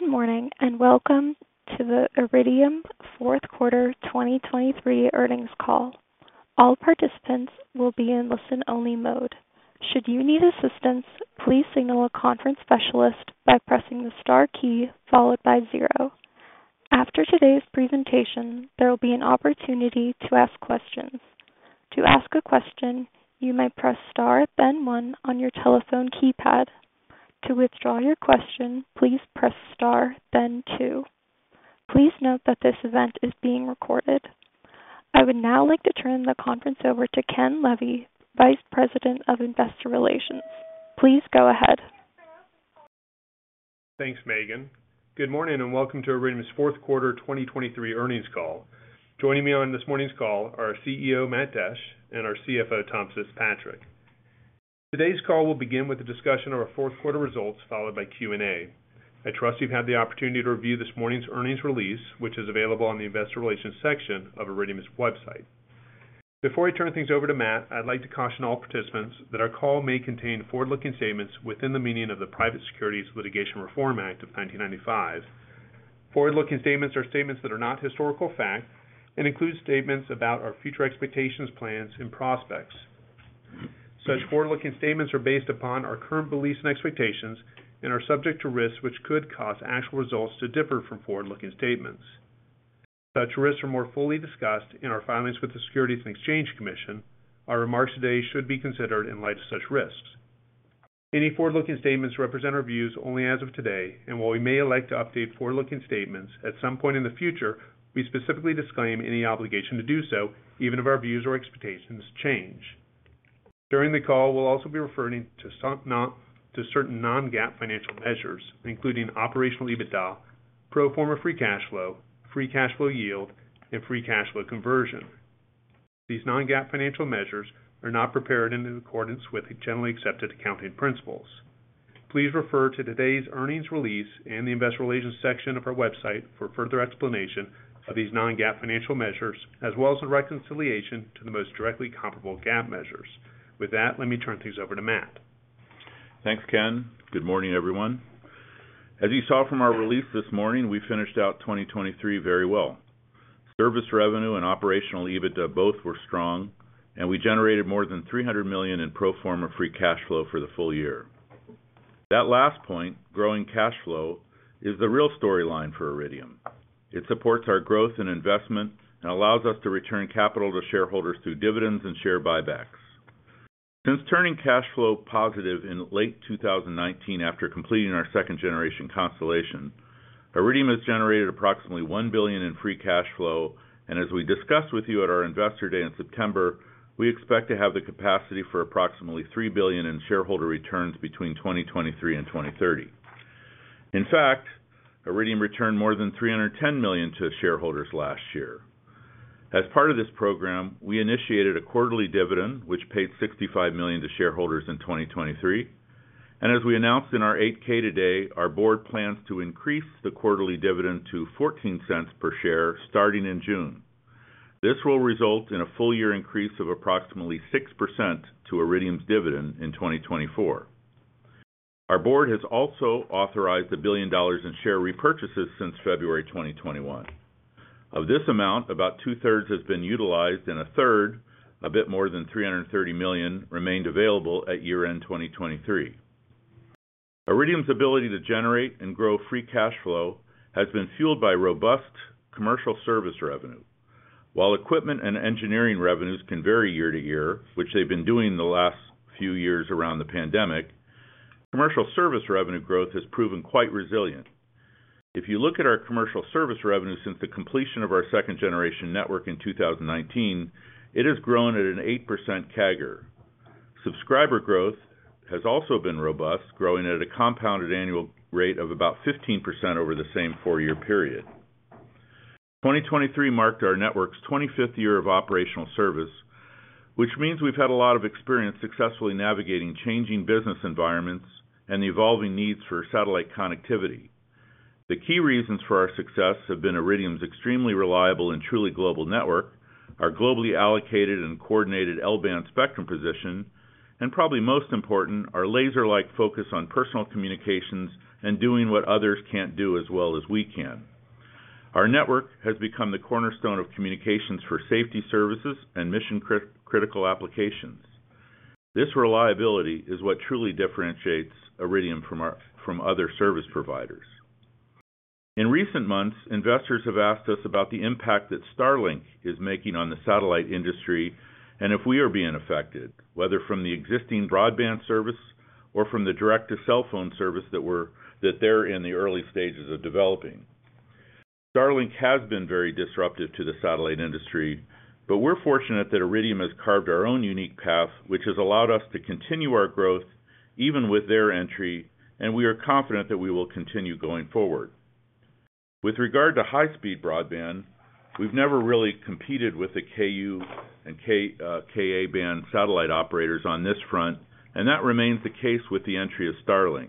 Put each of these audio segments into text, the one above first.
Good morning, and welcome to the Iridium fourth quarter 2023 earnings call. All participants will be in listen-only mode. Should you need assistance, please signal a conference specialist by pressing the star key followed by zero. After today's presentation, there will be an opportunity to ask questions. To ask a question, you may press star, then one on your telephone keypad. To withdraw your question, please press star, then two. Please note that this event is being recorded. I would now like to turn the conference over to Ken Levy, Vice President of Investor Relations. Please go ahead. Thanks, Megan. Good morning and welcome to Iridium's fourth quarter 2023 earnings call. Joining me on this morning's call are our CEO, Matt Desch, and our CFO, Tom Fitzpatrick. Today's call will begin with a discussion of our fourth quarter results, followed by Q&A. I trust you've had the opportunity to review this morning's earnings release, which is available on the investor relations section of Iridium's website. Before I turn things over to Matt, I'd like to caution all participants that our call may contain forward-looking statements within the meaning of the Private Securities Litigation Reform Act of 1995. Forward-looking statements are statements that are not historical fact and include statements about our future expectations, plans, and prospects. Such forward-looking statements are based upon our current beliefs and expectations and are subject to risks which could cause actual results to differ from forward-looking statements. Such risks are more fully discussed in our filings with the Securities and Exchange Commission. Our remarks today should be considered in light of such risks. Any forward-looking statements represent our views only as of today, and while we may elect to update forward-looking statements at some point in the future, we specifically disclaim any obligation to do so, even if our views or expectations change. During the call, we'll also be referring to certain non-GAAP financial measures, including operational EBITDA, pro forma free cash flow, free cash flow yield, and free cash flow conversion. These non-GAAP financial measures are not prepared in accordance with Generally Accepted Accounting Principles. Please refer to today's earnings release in the investor relations section of our website for further explanation of these non-GAAP financial measures, as well as a reconciliation to the most directly comparable GAAP measures. With that, let me turn things over to Matt. Thanks, Ken. Good morning, everyone. As you saw from our release this morning, we finished out 2023 very well. Service revenue and operational EBITDA both were strong, and we generated more than $300 million in pro forma free cash flow for the full year. That last point, growing cash flow, is the real storyline for Iridium. It supports our growth and investment and allows us to return capital to shareholders through dividends and share buybacks. Since turning cash flow positive in late 2019, after completing our second-generation constellation, Iridium has generated approximately $1 billion in free cash flow, and as we discussed with you at our Investor Day in September, we expect to have the capacity for approximately $3 billion in shareholder returns between 2023 and 2030. In fact, Iridium returned more than $310 million to shareholders last year. As part of this program, we initiated a quarterly dividend, which paid $65 million to shareholders in 2023, and as we announced in our 8-K today, our board plans to increase the quarterly dividend to $0.14 per share starting in June. This will result in a full year increase of approximately 6% to Iridium's dividend in 2024. Our board has also authorized $1 billion in share repurchases since February 2021. Of this amount, about 2/3 has been utilized, and a third, a bit more than $330 million, remained available at year-end 2023. Iridium's ability to generate and grow free cash flow has been fueled by robust commercial service revenue. While equipment and engineering revenues can vary year to year, which they've been doing the last few years around the pandemic, commercial service revenue growth has proven quite resilient. If you look at our commercial service revenue since the completion of our second-generation network in 2019, it has grown at an 8% CAGR. Subscriber growth has also been robust, growing at a compounded annual rate of about 15% over the same four-year period. 2023 marked our network's 25th year of operational service, which means we've had a lot of experience successfully navigating changing business environments and the evolving needs for satellite connectivity. The key reasons for our success have been Iridium's extremely reliable and truly global network, our globally allocated and coordinated L-band spectrum position, and probably most important, our laser-like focus on personal communications and doing what others can't do as well as we can. Our network has become the cornerstone of communications for safety services and mission-critical applications. This reliability is what truly differentiates Iridium from other service providers. In recent months, investors have asked us about the impact that Starlink is making on the satellite industry and if we are being affected, whether from the existing broadband service or from the direct-to-cell phone service that they're in the early stages of developing. Starlink has been very disruptive to the satellite industry, but we're fortunate that Iridium has carved our own unique path, which has allowed us to continue our growth even with their entry, and we are confident that we will continue going forward. With regard to high-speed broadband, we've never really competed with the Ku and Ka-band satellite operators on this front, and that remains the case with the entry of Starlink.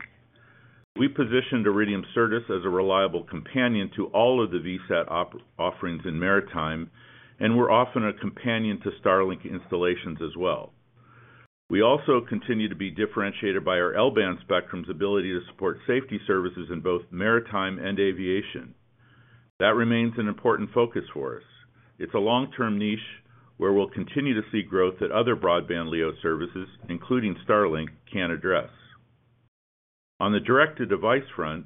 We positioned Iridium Certus as a reliable companion to all of the VSAT offerings in maritime, and we're often a companion to Starlink installations as well. We also continue to be differentiated by our L-band spectrum's ability to support safety services in both maritime and aviation. That remains an important focus for us. It's a long-term niche where we'll continue to see growth that other broadband LEO services, including Starlink, can't address. On the direct-to-device front,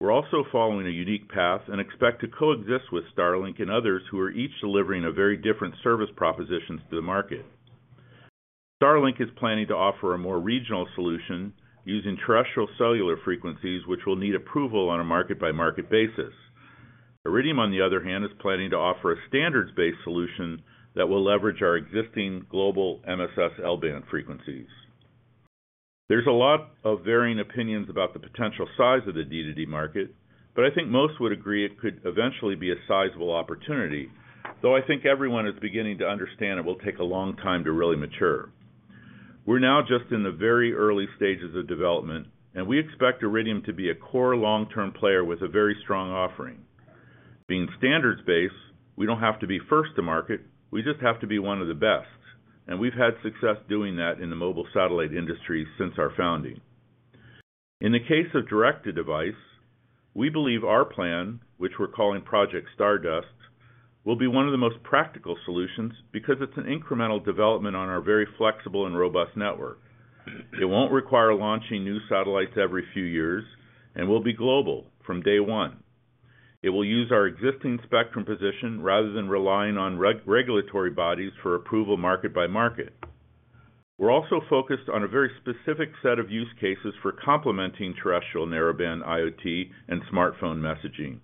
we're also following a unique path and expect to coexist with Starlink and others who are each delivering a very different service propositions to the market. Starlink is planning to offer a more regional solution using terrestrial cellular frequencies, which will need approval on a market-by-market basis. Iridium, on the other hand, is planning to offer a standards-based solution that will leverage our existing global MSS L-band frequencies. There's a lot of varying opinions about the potential size of the D2D market, but I think most would agree it could eventually be a sizable opportunity, though I think everyone is beginning to understand it will take a long time to really mature. We're now just in the very early stages of development, and we expect Iridium to be a core long-term player with a very strong offering. Being standards-based, we don't have to be first to market, we just have to be one of the best, and we've had success doing that in the mobile satellite industry since our founding. In the case of direct-to-device, we believe our plan, which we're calling Project Stardust, will be one of the most practical solutions because it's an incremental development on our very flexible and robust network. It won't require launching new satellites every few years and will be global from day one. It will use our existing spectrum position rather than relying on regulatory bodies for approval market by market. We're also focused on a very specific set of use cases for complementing terrestrial narrowband, IoT, and smartphone messaging,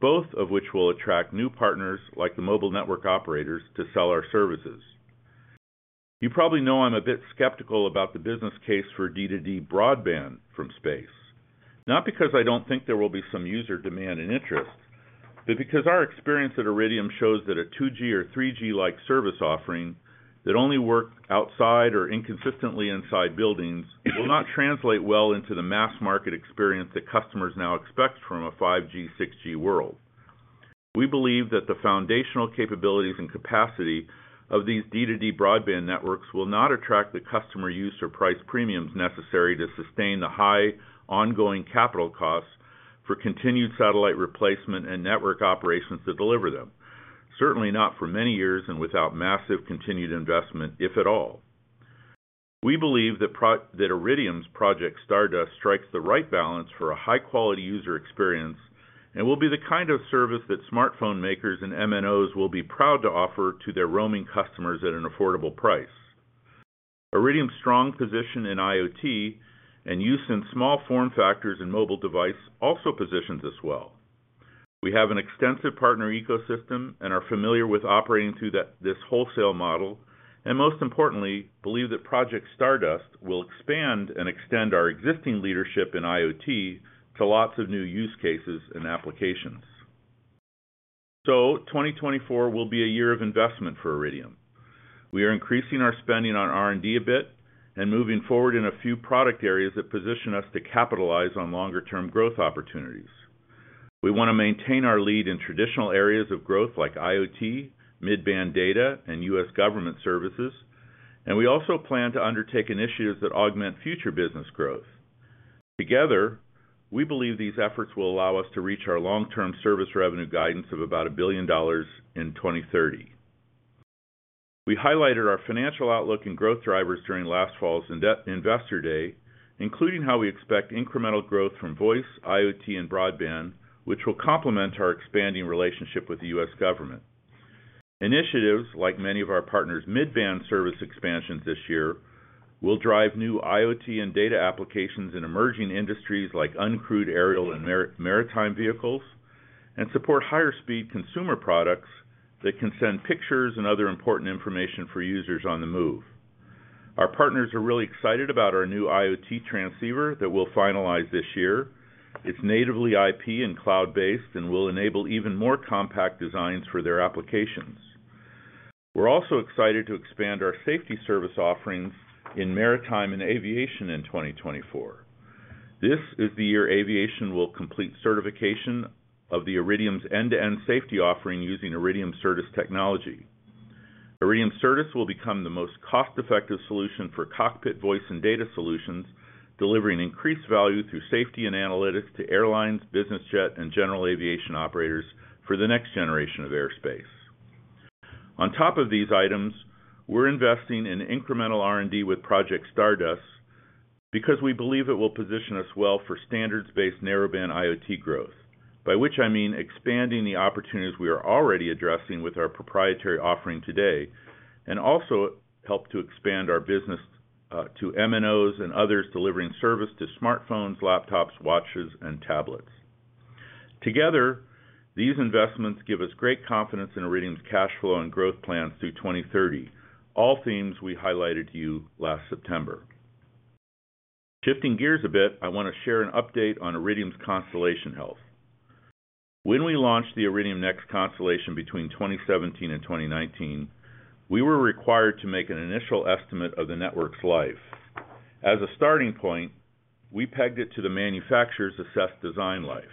both of which will attract new partners, like the mobile network operators, to sell our services. You probably know I'm a bit skeptical about the business case for D2D broadband from space, not because I don't think there will be some user demand and interest, but because our experience at Iridium shows that a 2G or 3G-like service offering that only work outside or inconsistently inside buildings, will not translate well into the mass market experience that customers now expect from a 5G, 6G world. We believe that the foundational capabilities and capacity of these D2D broadband networks will not attract the customer use or price premiums necessary to sustain the high ongoing capital costs for continued satellite replacement and network operations that deliver them, certainly not for many years and without massive continued investment, if at all. We believe that Iridium's Project Stardust strikes the right balance for a high-quality user experience and will be the kind of service that smartphone makers and MNOs will be proud to offer to their roaming customers at an affordable price. Iridium's strong position in IoT and use in small form factors and mobile device also positions us well. We have an extensive partner ecosystem and are familiar with operating through that, this wholesale model, and most importantly, believe that Project Stardust will expand and extend our existing leadership in IoT to lots of new use cases and applications. So 2024 will be a year of investment for Iridium. We are increasing our spending on R&D a bit and moving forward in a few product areas that position us to capitalize on longer-term growth opportunities. We want to maintain our lead in traditional areas of growth like IoT, mid-band data, and U.S. government services, and we also plan to undertake initiatives that augment future business growth. Together, we believe these efforts will allow us to reach our long-term service revenue guidance of about $1 billion in 2030. We highlighted our financial outlook and growth drivers during last fall's investor day, including how we expect incremental growth from voice, IoT, and broadband, which will complement our expanding relationship with the U.S. government. Initiatives, like many of our partners' mid-band service expansions this year, will drive new IoT and data applications in emerging industries like uncrewed aerial and maritime vehicles, and support higher-speed consumer products that can send pictures and other important information for users on the move. Our partners are really excited about our new IoT transceiver that we'll finalize this year. It's natively IP and cloud-based and will enable even more compact designs for their applications. We're also excited to expand our safety service offerings in maritime and aviation in 2024. This is the year aviation will complete certification of the Iridium's end-to-end safety offering using Iridium Certus technology. Iridium Certus will become the most cost-effective solution for cockpit, voice, and data solutions, delivering increased value through safety and analytics to airlines, business jet, and general aviation operators for the next generation of airspace. On top of these items, we're investing in incremental R&D with Project Stardust because we believe it will position us well for standards-based narrowband IoT growth, by which I mean expanding the opportunities we are already addressing with our proprietary offering today, and also help to expand our business, to MNOs and others, delivering service to smartphones, laptops, watches, and tablets. Together, these investments give us great confidence in Iridium's cash flow and growth plans through 2030, all themes we highlighted to you last September. Shifting gears a bit, I want to share an update on Iridium's constellation health. When we launched the Iridium NEXT constellation between 2017 and 2019, we were required to make an initial estimate of the network's life. As a starting point, we pegged it to the manufacturer's assessed design life.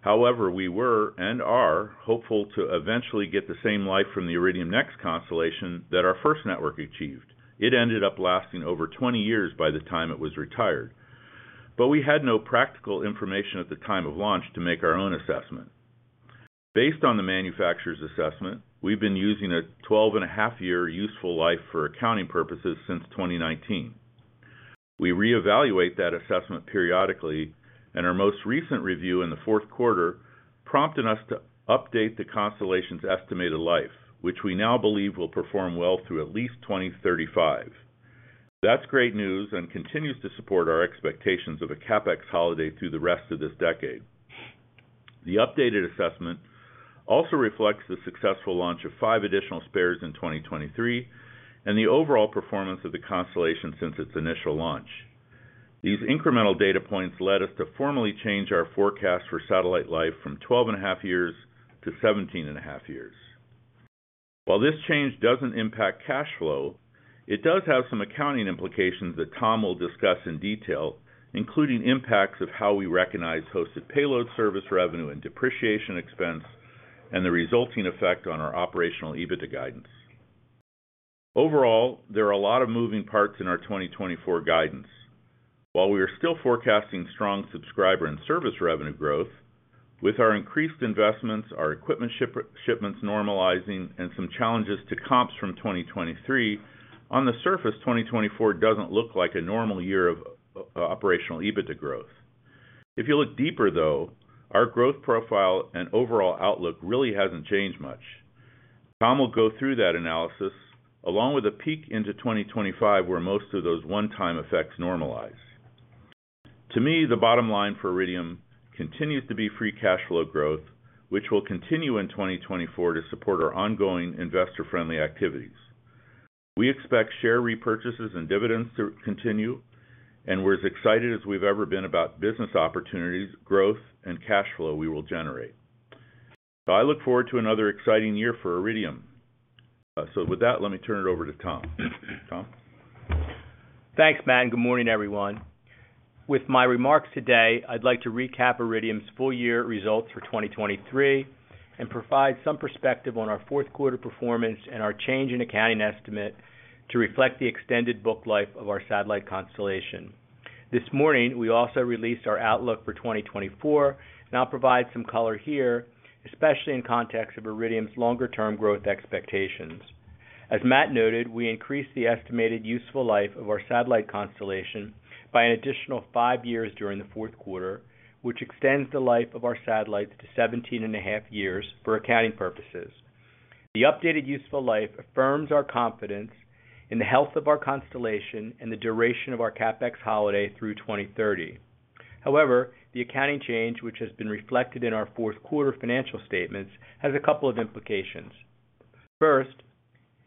However, we were, and are, hopeful to eventually get the same life from the Iridium NEXT constellation that our first network achieved. It ended up lasting over 20 years by the time it was retired, but we had no practical information at the time of launch to make our own assessment. Based on the manufacturer's assessment, we've been using a 12.5-year useful life for accounting purposes since 2019. We reevaluate that assessment periodically, and our most recent review in the fourth quarter prompted us to update the constellation's estimated life, which we now believe will perform well through at least 2035. That's great news and continues to support our expectations of a CapEx holiday through the rest of this decade. The updated assessment also reflects the successful launch of 5 additional spares in 2023, and the overall performance of the constellation since its initial launch. These incremental data points led us to formally change our forecast for satellite life from 12.5 years to 17.5 years. While this change doesn't impact cash flow, it does have some accounting implications that Tom will discuss in detail, including impacts of how we recognize hosted payload service revenue and depreciation expense, and the resulting effect on our operational EBITDA guidance. Overall, there are a lot of moving parts in our 2024 guidance. While we are still forecasting strong subscriber and service revenue growth, with our increased investments, our equipment shipments normalizing, and some challenges to comps from 2023, on the surface, 2024 doesn't look like a normal year of operational EBITDA growth. If you look deeper, though, our growth profile and overall outlook really hasn't changed much. Tom will go through that analysis, along with a peek into 2025, where most of those one-time effects normalize. To me, the bottom line for Iridium continues to be free cash flow growth, which will continue in 2024 to support our ongoing investor-friendly activities. We expect share repurchases and dividends to continue, and we're as excited as we've ever been about business opportunities, growth, and cash flow we will generate. So I look forward to another exciting year for Iridium. So with that, let me turn it over to Tom. Tom? Thanks, Matt, and good morning, everyone. With my remarks today, I'd like to recap Iridium's full year results for 2023, and provide some perspective on our fourth quarter performance and our change in accounting estimate to reflect the extended book life of our satellite constellation. This morning, we also released our outlook for 2024, and I'll provide some color here, especially in context of Iridium's longer-term growth expectations. As Matt noted, we increased the estimated useful life of our satellite constellation by an additional five years during the fourth quarter, which extends the life of our satellites to 17.5 years for accounting purposes. The updated useful life affirms our confidence in the health of our constellation and the duration of our CapEx holiday through 2030. However, the accounting change, which has been reflected in our fourth quarter financial statements, has a couple of implications. First,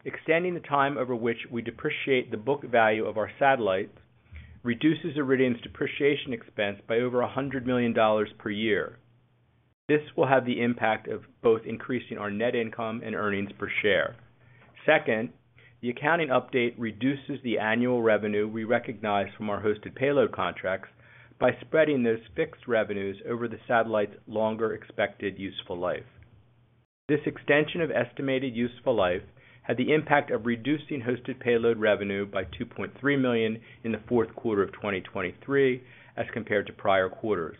extending the time over which we depreciate the book value of our satellites, reduces Iridium's depreciation expense by over $100 million per year. This will have the impact of both increasing our net income and earnings per share. Second, the accounting update reduces the annual revenue we recognize from our hosted payload contracts by spreading those fixed revenues over the satellite's longer expected useful life. This extension of estimated useful life had the impact of reducing hosted payload revenue by $2.3 million in the fourth quarter of 2023, as compared to prior quarters.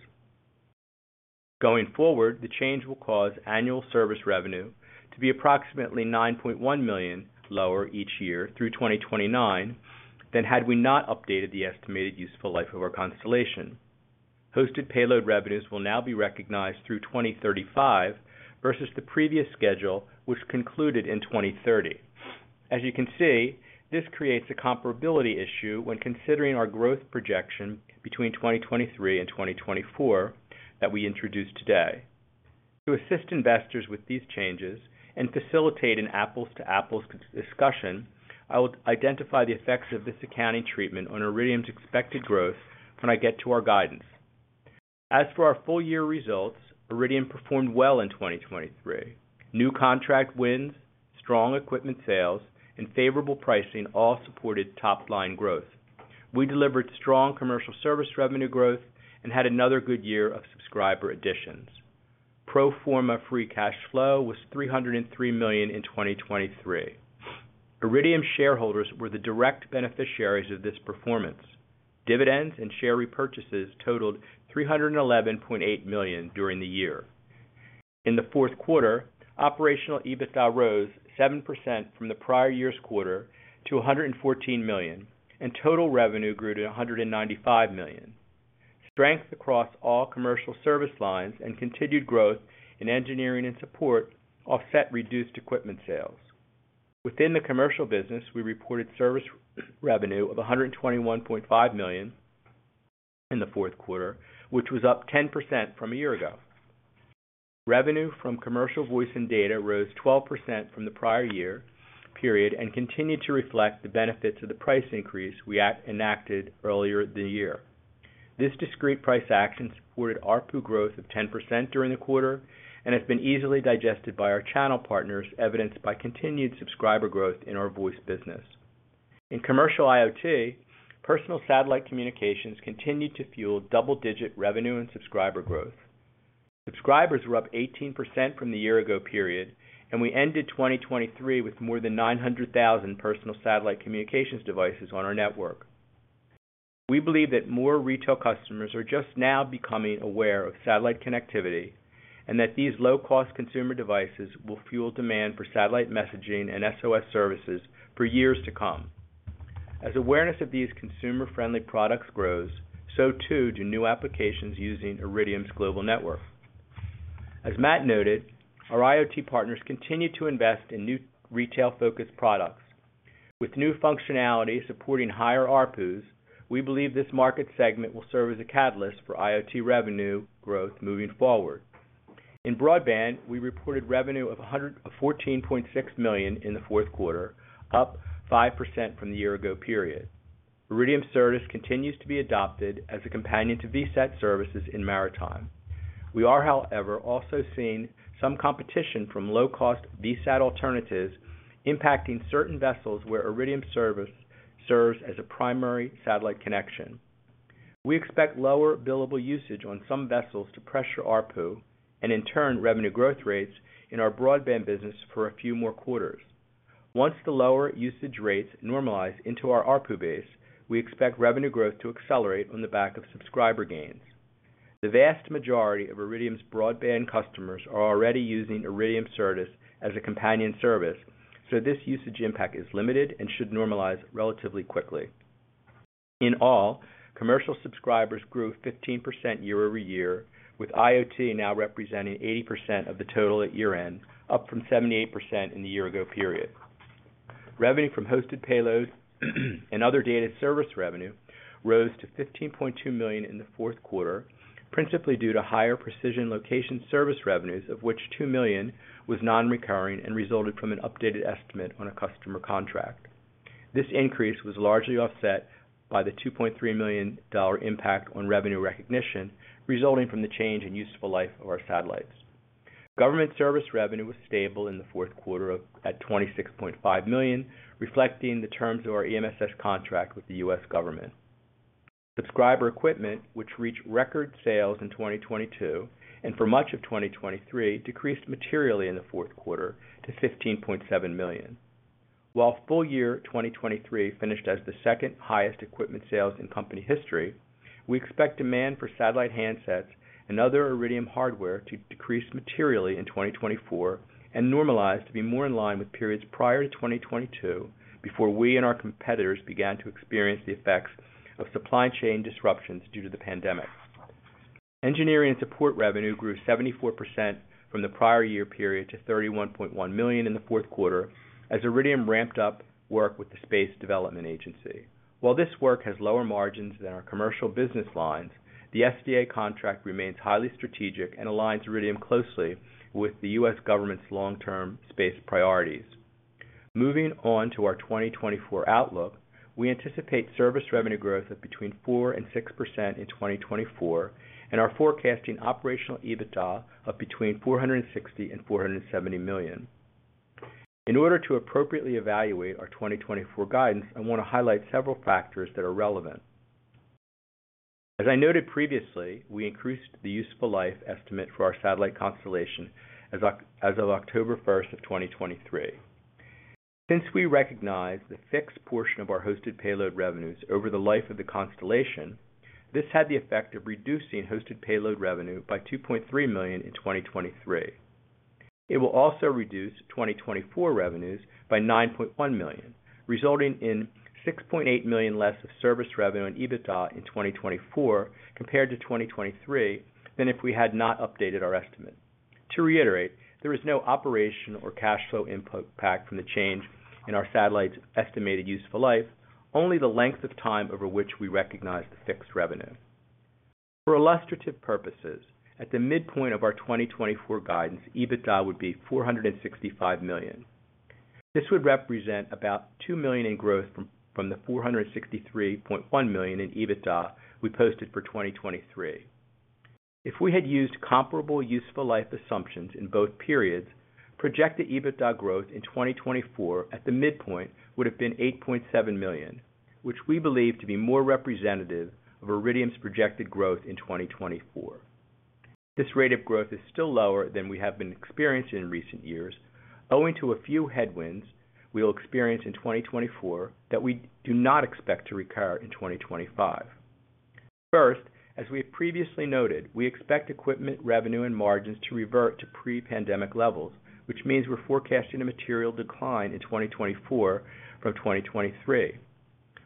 Going forward, the change will cause annual service revenue to be approximately $9.1 million lower each year through 2029 than had we not updated the estimated useful life of our constellation. Hosted payload revenues will now be recognized through 2035 versus the previous schedule, which concluded in 2030. As you can see, this creates a comparability issue when considering our growth projection between 2023 and 2024 that we introduced today. To assist investors with these changes and facilitate an apples-to-apples discussion, I will identify the effects of this accounting treatment on Iridium's expected growth when I get to our guidance. As for our full year results, Iridium performed well in 2023. New contract wins, strong equipment sales, and favorable pricing all supported top-line growth. We delivered strong commercial service revenue growth and had another good year of subscriber additions. Pro forma free cash flow was $303 million in 2023. Iridium shareholders were the direct beneficiaries of this performance. Dividends and share repurchases totaled $311.8 million during the year. In the fourth quarter, operational EBITDA rose 7% from the prior year's quarter to $114 million, and total revenue grew to $195 million. Strength across all commercial service lines and continued growth in engineering and support offset reduced equipment sales. Within the commercial business, we reported service revenue of $121.5 million in the fourth quarter, which was up 10% from a year ago. Revenue from commercial voice and data rose 12% from the prior year period, and continued to reflect the benefits of the price increase we enacted earlier the year.... This discrete price action supported ARPU growth of 10% during the quarter, and has been easily digested by our channel partners, evidenced by continued subscriber growth in our voice business. In commercial IoT, personal satellite communications continued to fuel double-digit revenue and subscriber growth. Subscribers were up 18% from the year ago period, and we ended 2023 with more than 900,000 personal satellite communications devices on our network. We believe that more retail customers are just now becoming aware of satellite connectivity, and that these low-cost consumer devices will fuel demand for satellite messaging and SOS services for years to come. As awareness of these consumer-friendly products grows, so too do new applications using Iridium's global network. As Matt noted, our IoT partners continue to invest in new retail-focused products. With new functionality supporting higher ARPUs, we believe this market segment will serve as a catalyst for IoT revenue growth moving forward. In broadband, we reported revenue of $114.6 million in the fourth quarter, up 5% from the year-ago period. Iridium service continues to be adopted as a companion to VSAT services in maritime. We are, however, also seeing some competition from low-cost VSAT alternatives, impacting certain vessels where Iridium service serves as a primary satellite connection. We expect lower billable usage on some vessels to pressure ARPU, and in turn, revenue growth rates in our broadband business for a few more quarters. Once the lower usage rates normalize into our ARPU base, we expect revenue growth to accelerate on the back of subscriber gains. The vast majority of Iridium's broadband customers are already using Iridium Certus as a companion service, so this usage impact is limited and should normalize relatively quickly. In all, commercial subscribers grew 15% year-over-year, with IoT now representing 80% of the total at year-end, up from 78% in the year ago period. Revenue from hosted payloads, and other data service revenue rose to $15.2 million in the fourth quarter, principally due to higher precision location service revenues, of which $2 million was non-recurring and resulted from an updated estimate on a customer contract. This increase was largely offset by the $2.3 million dollar impact on revenue recognition, resulting from the change in useful life of our satellites. Government service revenue was stable in the fourth quarter at $26.5 million, reflecting the terms of our EMSS contract with the U.S. government. Subscriber equipment, which reached record sales in 2022 and for much of 2023, decreased materially in the fourth quarter to $15.7 million. While full year 2023 finished as the second-highest equipment sales in company history, we expect demand for satellite handsets and other Iridium hardware to decrease materially in 2024, and normalize to be more in line with periods prior to 2022, before we and our competitors began to experience the effects of supply chain disruptions due to the pandemic. Engineering and support revenue grew 74% from the prior year period to $31.1 million in the fourth quarter, as Iridium ramped up work with the Space Development Agency. While this work has lower margins than our commercial business lines, the SDA contract remains highly strategic and aligns Iridium closely with the U.S. government's long-term space priorities. Moving on to our 2024 outlook, we anticipate service revenue growth of between 4% and 6% in 2024, and are forecasting operational EBITDA of between $460 million and $470 million. In order to appropriately evaluate our 2024 guidance, I want to highlight several factors that are relevant. As I noted previously, we increased the useful life estimate for our satellite constellation as of October 1, 2023. Since we recognized the fixed portion of our hosted payload revenues over the life of the constellation, this had the effect of reducing hosted payload revenue by $2.3 million in 2023. It will also reduce 2024 revenues by $9.1 million, resulting in $6.8 million less of service revenue and EBITDA in 2024 compared to 2023 than if we had not updated our estimate. To reiterate, there is no operational or cash flow input impact from the change in our satellite's estimated useful life, only the length of time over which we recognize the fixed revenue. For illustrative purposes, at the midpoint of our 2024 guidance, EBITDA would be $465 million. This would represent about $2 million in growth from the $463.1 million in EBITDA we posted for 2023. If we had used comparable useful life assumptions in both periods, projected EBITDA growth in 2024 at the midpoint would have been $8.7 million, which we believe to be more representative of Iridium's projected growth in 2024. This rate of growth is still lower than we have been experiencing in recent years, owing to a few headwinds we will experience in 2024 that we do not expect to recur in 2025. First, as we have previously noted, we expect equipment, revenue, and margins to revert to pre-pandemic levels, which means we're forecasting a material decline in 2024 from 2023.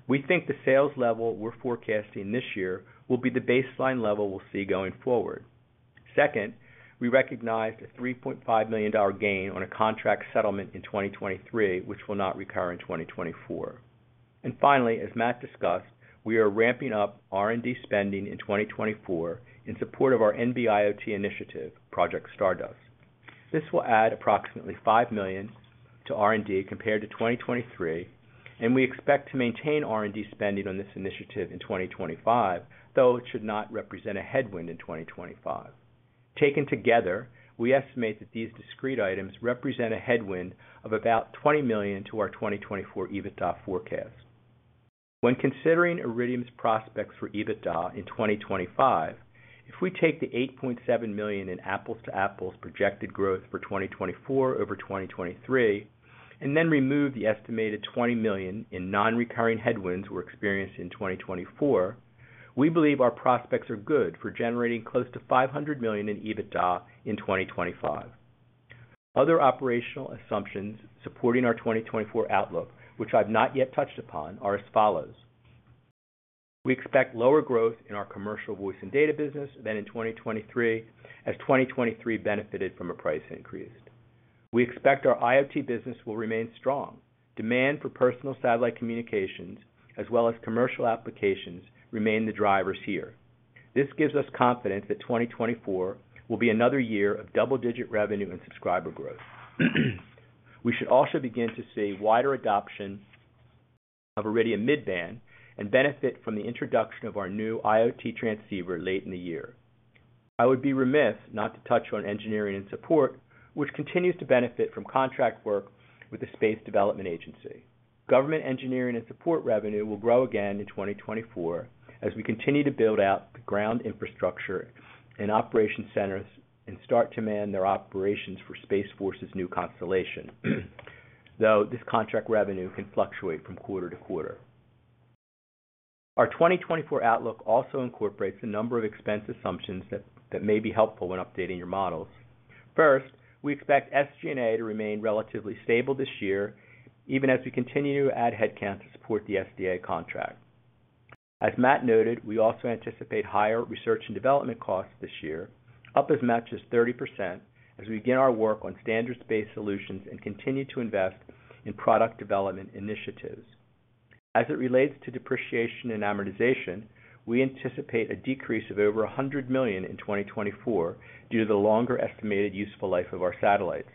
We think the sales level we're forecasting this year will be the baseline level we'll see going forward. Second, we recognized a $3.5 million gain on a contract settlement in 2023, which will not recur in 2024. Finally, as Matt discussed, we are ramping up R&D spending in 2024 in support of our NB-IoT initiative, Project Stardust. This will add approximately $5 million to R&D compared to 2023, and we expect to maintain R&D spending on this initiative in 2025, though it should not represent a headwind in 2025. Taken together, we estimate that these discrete items represent a headwind of about $20 million to our 2024 EBITDA forecast. When considering Iridium's prospects for EBITDA in 2025, if we take the $8.7 million in apples-to-apples projected growth for 2024 over 2023, and then remove the estimated $20 million in non-recurring headwinds were experienced in 2024, we believe our prospects are good for generating close to $500 million in EBITDA in 2025. Other operational assumptions supporting our 2024 outlook, which I've not yet touched upon, are as follows: We expect lower growth in our commercial voice and data business than in 2023, as 2023 benefited from a price increase. We expect our IoT business will remain strong. Demand for personal satellite communications, as well as commercial applications, remain the drivers here. This gives us confidence that 2024 will be another year of double-digit revenue and subscriber growth. We should also begin to see wider adoption of Iridium mid-band and benefit from the introduction of our new IoT transceiver late in the year. I would be remiss not to touch on engineering and support, which continues to benefit from contract work with the Space Development Agency. Government engineering and support revenue will grow again in 2024 as we continue to build out the ground infrastructure and operation centers and start to man their operations for Space Force's new constellation. Though this contract revenue can fluctuate from quarter to quarter. Our 2024 outlook also incorporates a number of expense assumptions that may be helpful when updating your models. First, we expect SG&A to remain relatively stable this year, even as we continue to add headcount to support the SDA contract. As Matt noted, we also anticipate higher research and development costs this year, up as much as 30%, as we begin our work on standards-based solutions and continue to invest in product development initiatives. As it relates to depreciation and amortization, we anticipate a decrease of over $100 million in 2024 due to the longer estimated useful life of our satellites.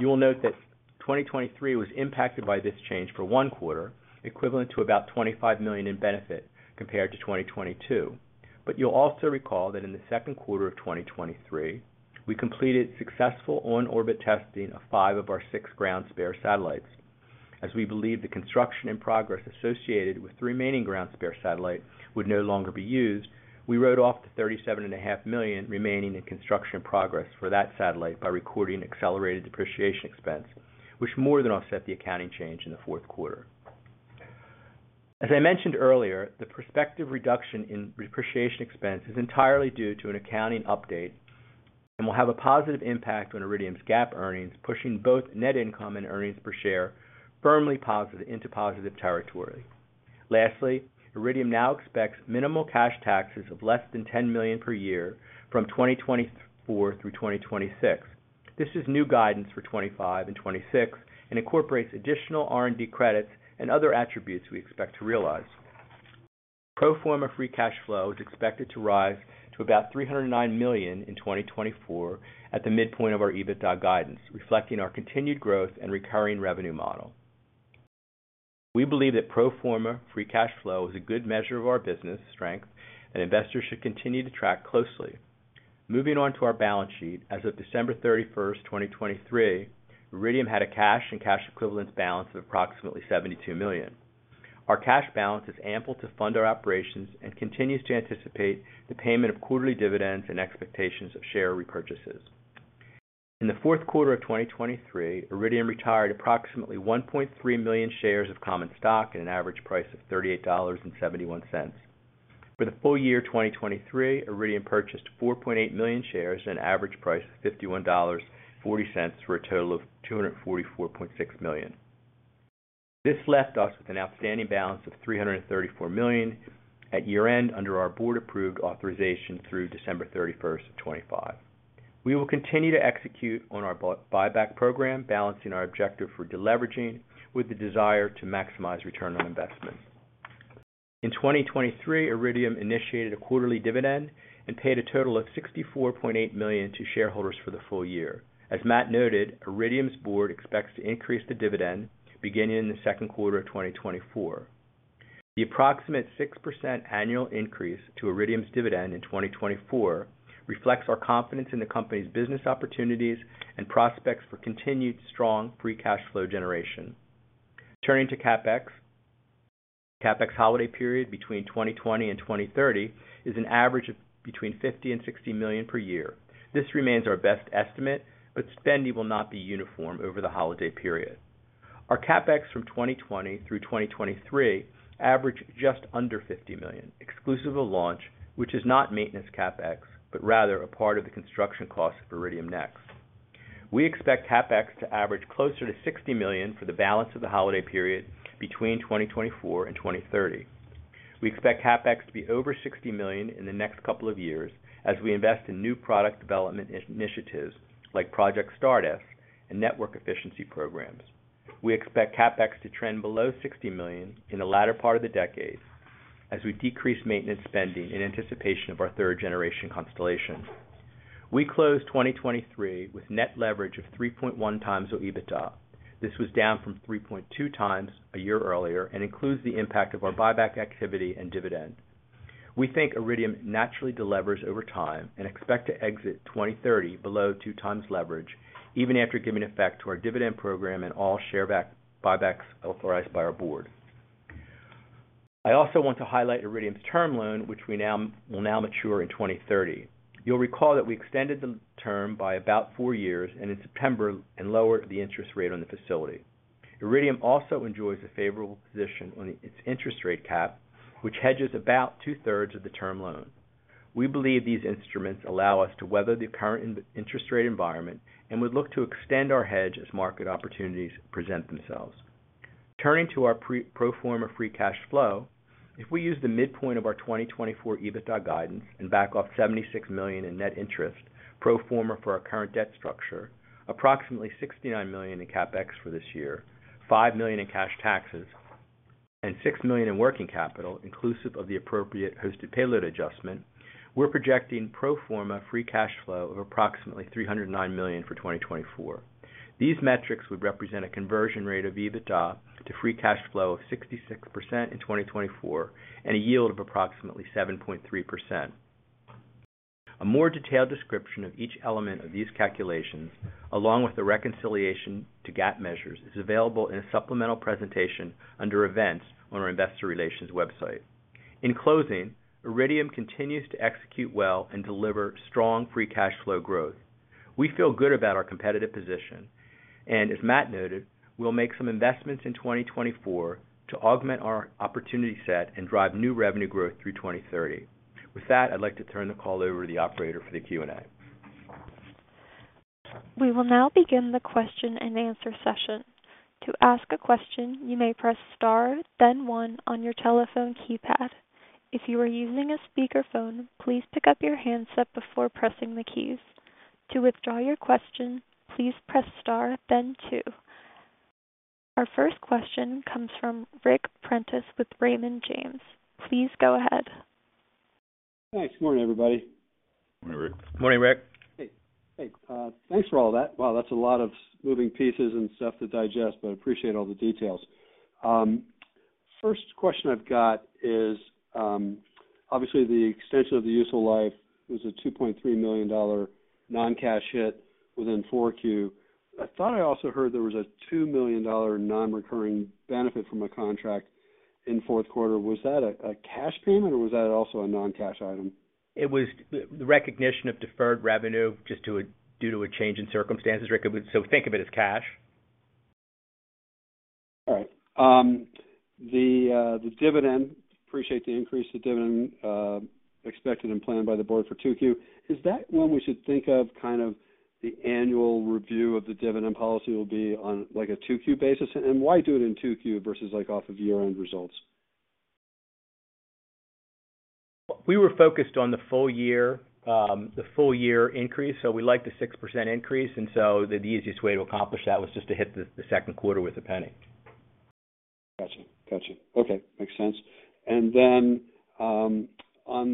You will note that 2023 was impacted by this change for one quarter, equivalent to about $25 million in benefit compared to 2022. But you'll also recall that in the second quarter of 2023, we completed successful on-orbit testing of five of our six ground spare satellites. As we believe the construction in progress associated with the remaining ground spare satellite would no longer be used, we wrote off the $37.5 million remaining in construction progress for that satellite by recording accelerated depreciation expense, which more than offset the accounting change in the fourth quarter. As I mentioned earlier, the prospective reduction in depreciation expense is entirely due to an accounting update and will have a positive impact on Iridium's GAAP earnings, pushing both net income and earnings per share firmly positive into positive territory. Lastly, Iridium now expects minimal cash taxes of less than $10 million per year from 2024 through 2026. This is new guidance for 2025 and 2026 and incorporates additional R&D credits and other attributes we expect to realize. Pro Forma Free Cash Flow is expected to rise to about $309 million in 2024 at the midpoint of our EBITDA guidance, reflecting our continued growth and recurring revenue model. We believe that Pro Forma Free Cash Flow is a good measure of our business strength, and investors should continue to track closely. Moving on to our balance sheet. As of December 31, 2023, Iridium had a cash and cash equivalents balance of approximately $72 million. Our cash balance is ample to fund our operations and continues to anticipate the payment of quarterly dividends and expectations of share repurchases. In the fourth quarter of 2023, Iridium retired approximately 1.3 million shares of common stock at an average price of $38.71. For the full year 2023, Iridium purchased 4.8 million shares at an average price of $51.40, for a total of $244.6 million. This left us with an outstanding balance of $334 million at year-end, under our board-approved authorization through December 31, 2025. We will continue to execute on our buyback program, balancing our objective for deleveraging with the desire to maximize return on investment. In 2023, Iridium initiated a quarterly dividend and paid a total of $64.8 million to shareholders for the full year. As Matt noted, Iridium's board expects to increase the dividend beginning in the second quarter of 2024. The approximate 6% annual increase to Iridium's dividend in 2024 reflects our confidence in the company's business opportunities and prospects for continued strong free cash flow generation. Turning to CapEx. CapEx holiday period between 2020 and 2030 is an average of between $50 million and $60 million per year. This remains our best estimate, but spending will not be uniform over the holiday period. Our CapEx from 2020 through 2023 averaged just under $50 million, exclusive of launch, which is not maintenance CapEx, but rather a part of the construction costs of Iridium NEXT. We expect CapEx to average closer to $60 million for the balance of the holiday period between 2024 and 2030. We expect CapEx to be over $60 million in the next couple of years as we invest in new product development initiatives like Project Stardust and network efficiency programs. We expect CapEx to trend below $60 million in the latter part of the decade as we decrease maintenance spending in anticipation of our third generation constellation. We closed 2023 with net leverage of 3.1x EBITDA. This was down from 3.2 times a year earlier and includes the impact of our buyback activity and dividend. We think Iridium naturally delevers over time and expect to exit 2030 below 2 times leverage, even after giving effect to our dividend program and all share buybacks authorized by our board. I also want to highlight Iridium's term loan, which will now mature in 2030. You'll recall that we extended the term by about 4 years and in September, and lowered the interest rate on the facility. Iridium also enjoys a favorable position on its interest rate cap, which hedges about two-thirds of the term loan. We believe these instruments allow us to weather the current interest rate environment and would look to extend our hedge as market opportunities present themselves. Turning to our pro forma free cash flow, if we use the midpoint of our 2024 EBITDA guidance and back off $76 million in net interest, pro forma for our current debt structure, approximately $69 million in CapEx for this year, $5 million in cash taxes, and $6 million in working capital, inclusive of the appropriate hosted payload adjustment, we're projecting pro forma free cash flow of approximately $309 million for 2024. These metrics would represent a conversion rate of EBITDA to free cash flow of 66% in 2024, and a yield of approximately 7.3%. A more detailed description of each element of these calculations, along with the reconciliation to GAAP measures, is available in a supplemental presentation under Events on our Investor Relations website. In closing, Iridium continues to execute well and deliver strong free cash flow growth. We feel good about our competitive position, and as Matt noted, we'll make some investments in 2024 to augment our opportunity set and drive new revenue growth through 2030. With that, I'd like to turn the call over to the operator for the Q&A. We will now begin the question-and-answer session. To ask a question, you may press Star, then one on your telephone keypad. If you are using a speakerphone, please pick up your handset before pressing the keys. To withdraw your question, please press star then two. Our first question comes from Ric Prentiss with Raymond James. Please go ahead. Thanks. Good morning, everybody. Morning, Ric. Morning, Ric. Hey, hey, thanks for all that. Wow, that's a lot of moving pieces and stuff to digest, but I appreciate all the details. First question I've got is, obviously, the extension of the useful life was a $2.3 million non-cash hit within Q4. I thought I also heard there was a $2 million non-recurring benefit from a contract in fourth quarter. Was that a cash payment, or was that also a non-cash item? It was the recognition of deferred revenue just due to a change in circumstances, Ric, so think of it as cash. All right. The dividend, appreciate the increase in the dividend expected and planned by the board for 2Q. Is that one we should think of kind of the annual review of the dividend policy will be on, like, a 2Q basis? And why do it in 2Q versus, like, off of year-end results? We were focused on the full year, the full year increase, so we like the 6% increase, and so the easiest way to accomplish that was just to hit the second quarter with $0.01. Gotcha. Gotcha. Okay, makes sense. And then, on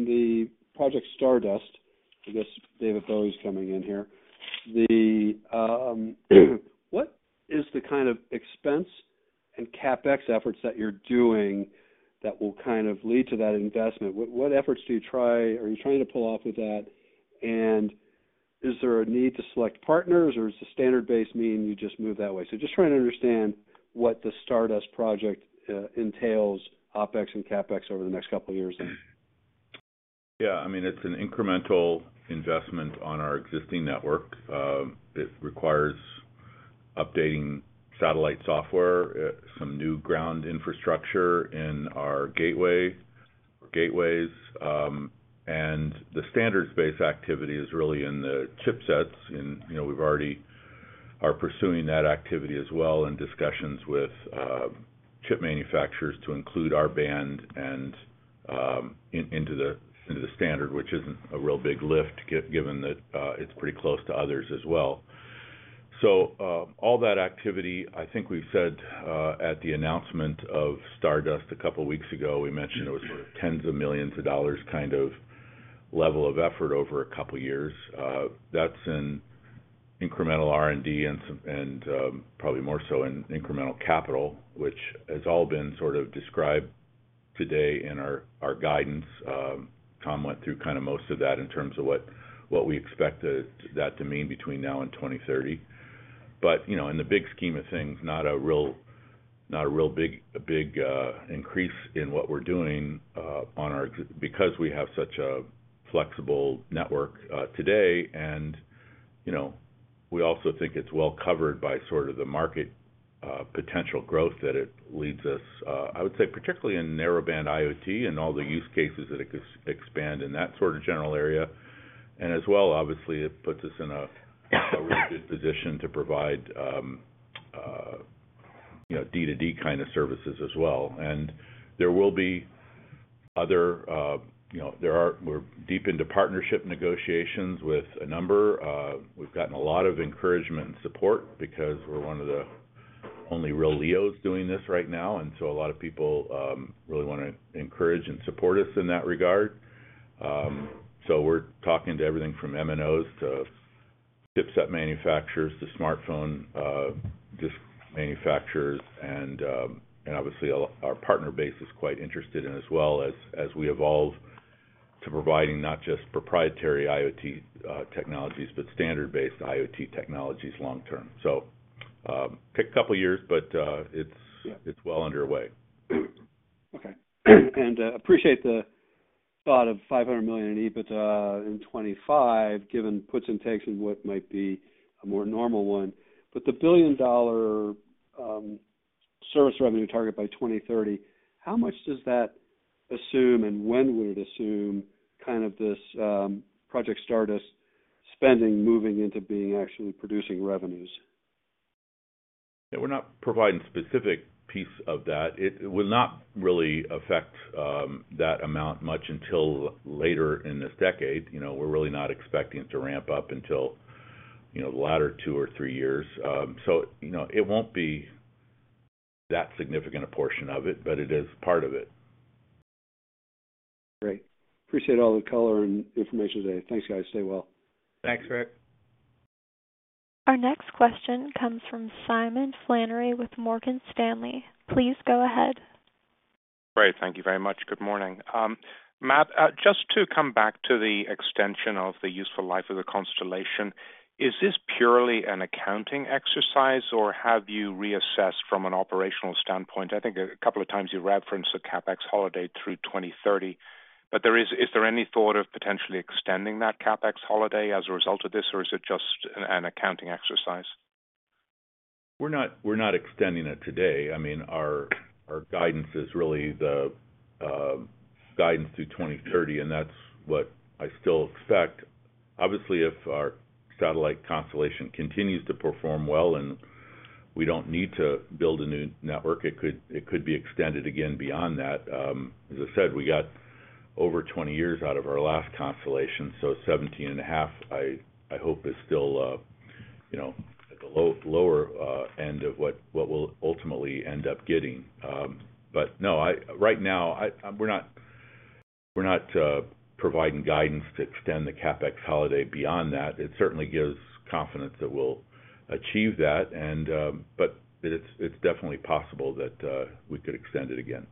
the Project Stardust, I guess David Bowie's coming in here, what is the kind of expense and CapEx efforts that you're doing that will kind of lead to that investment? What efforts are you trying to pull off with that? And is there a need to select partners, or is the standard base mean you just move that way? So just trying to understand what the Stardust project entails, OpEx and CapEx, over the next couple of years then. Yeah, I mean, it's an incremental investment on our existing network. It requires updating satellite software, some new ground infrastructure in our gateway, gateways, and the standards-based activity is really in the chipsets. And, you know, we've already are pursuing that activity as well in discussions with chip manufacturers to include our L-band and into the standard, which isn't a real big lift, given that it's pretty close to others as well. So, all that activity, I think we've said, at the announcement of Stardust a couple of weeks ago, we mentioned it was $ tens of millions kind of level of effort over a couple of years. That's in incremental R&D and some and probably more so in incremental capital, which has all been sort of described today in our guidance. Tom went through kind of most of that in terms of what, what we expect that to mean between now and 2030. But, you know, in the big scheme of things, not a real, not a real big, a big, increase in what we're doing, on our... Because we have such a flexible network, today, and, you know, we also think it's well covered by sort of the market, potential growth that it leads us, I would say, particularly in narrowband IoT and all the use cases that it could expand in that sort of general area. And as well, obviously, it puts us in a, a really good position to provide, you know, D2D kind of services as well. And there will be other, you know, we're deep into partnership negotiations with a number. We've gotten a lot of encouragement and support because we're one of the only real LEOs doing this right now, and so a lot of people really wanna encourage and support us in that regard. So we're talking to everything from MNOs to chipset manufacturers, to smartphone device manufacturers, and obviously, our partner base is quite interested in as well as we evolve to providing not just proprietary IoT technologies, but standards-based IoT technologies long term. So take a couple of years, but it's well underway. Okay. And, appreciate the thought of $500 million in EBITDA in 2025, given puts and takes in what might be a more normal one. But the $1 billion service revenue target by 2030, how much does that assume, and when would it assume, kind of this, Project Stardust spending moving into being actually producing revenues? Yeah, we're not providing specific piece of that. It, it will not really affect that amount much until later in this decade. You know, we're really not expecting it to ramp up until, you know, the latter two or three years. So, you know, it won't be that significant a portion of it, but it is part of it. Great. Appreciate all the color and information today. Thanks, guys. Stay well. Thanks, Ric. Our next question comes from Simon Flannery with Morgan Stanley. Please go ahead. Great. Thank you very much. Good morning. Matt, just to come back to the extension of the useful life of the constellation, is this purely an accounting exercise, or have you reassessed from an operational standpoint? I think a couple of times you referenced the CapEx holiday through 2030, but is there any thought of potentially extending that CapEx holiday as a result of this, or is it just an accounting exercise? We're not, we're not extending it today. I mean, our guidance is really the guidance through 2030, and that's what I still expect. Obviously, if our satellite constellation continues to perform well and we don't need to build a new network, it could be extended again beyond that. As I said, we got over 20 years out of our last constellation, so 17.5, I hope, is still, you know, at the lower end of what we'll ultimately end up getting. But no, right now, we're not providing guidance to extend the CapEx holiday beyond that. It certainly gives confidence that we'll achieve that, and but it's definitely possible that we could extend it again.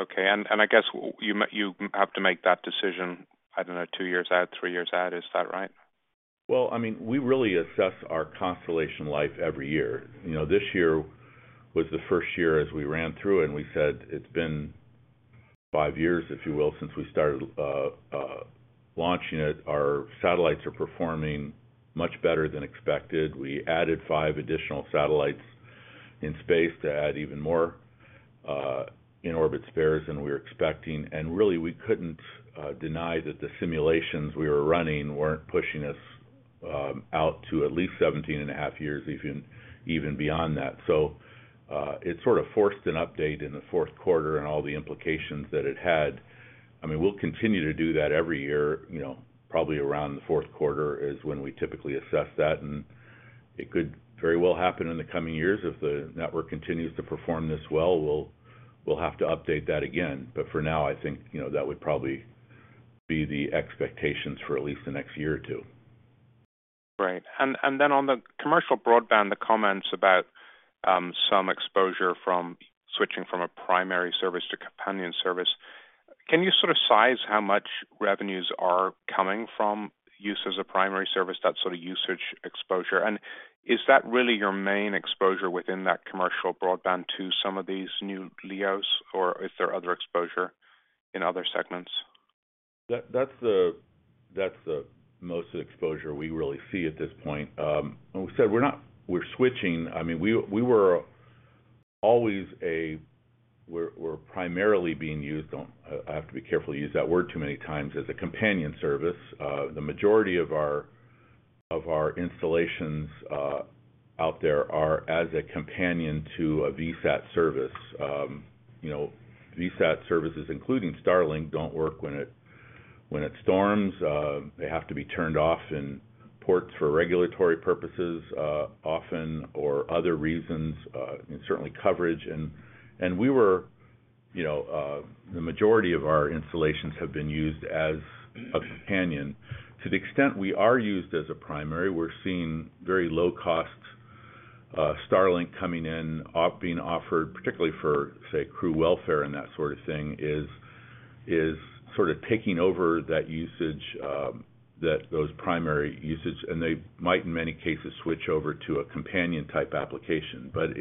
Okay. And I guess you have to make that decision. I don't know, two years out, three years out. Is that right? Well, I mean, we really assess our constellation life every year. You know, this year was the first year as we ran through it, and we said it's been five years, if you will, since we started launching it. Our satellites are performing much better than expected. We added five additional satellites in space to add even more in-orbit spares than we were expecting, and really, we couldn't deny that the simulations we were running weren't pushing us out to at least 17.5 years, even beyond that. So, it sort of forced an update in the fourth quarter and all the implications that it had. I mean, we'll continue to do that every year, you know, probably around the fourth quarter is when we typically assess that, and it could very well happen in the coming years. If the network continues to perform this well, we'll have to update that again. But for now, I think, you know, that would probably be the expectations for at least the next year or two. Great. And then on the commercial broadband, the comments about some exposure from switching from a primary service to companion service, can you sort of size how much revenues are coming from use as a primary service, that sort of usage exposure? And is that really your main exposure within that commercial broadband to some of these new LEOs, or is there other exposure in other segments? That's the most exposure we really see at this point. And we said, we're not—we're switching. I mean, we, we were always a—we're, we're primarily being used on... I have to be careful to use that word too many times, as a companion service. The majority of our installations out there are as a companion to a VSAT service. You know, VSAT services, including Starlink, don't work when it storms. They have to be turned off in ports for regulatory purposes, often or other reasons, and certainly coverage. And we were, you know, the majority of our installations have been used as a companion. To the extent we are used as a primary, we're seeing very low costs. Starlink coming in being offered, particularly for, say, crew welfare, and that sort of thing is sort of taking over that usage, those primary usage, and they might, in many cases, switch over to a companion type application, but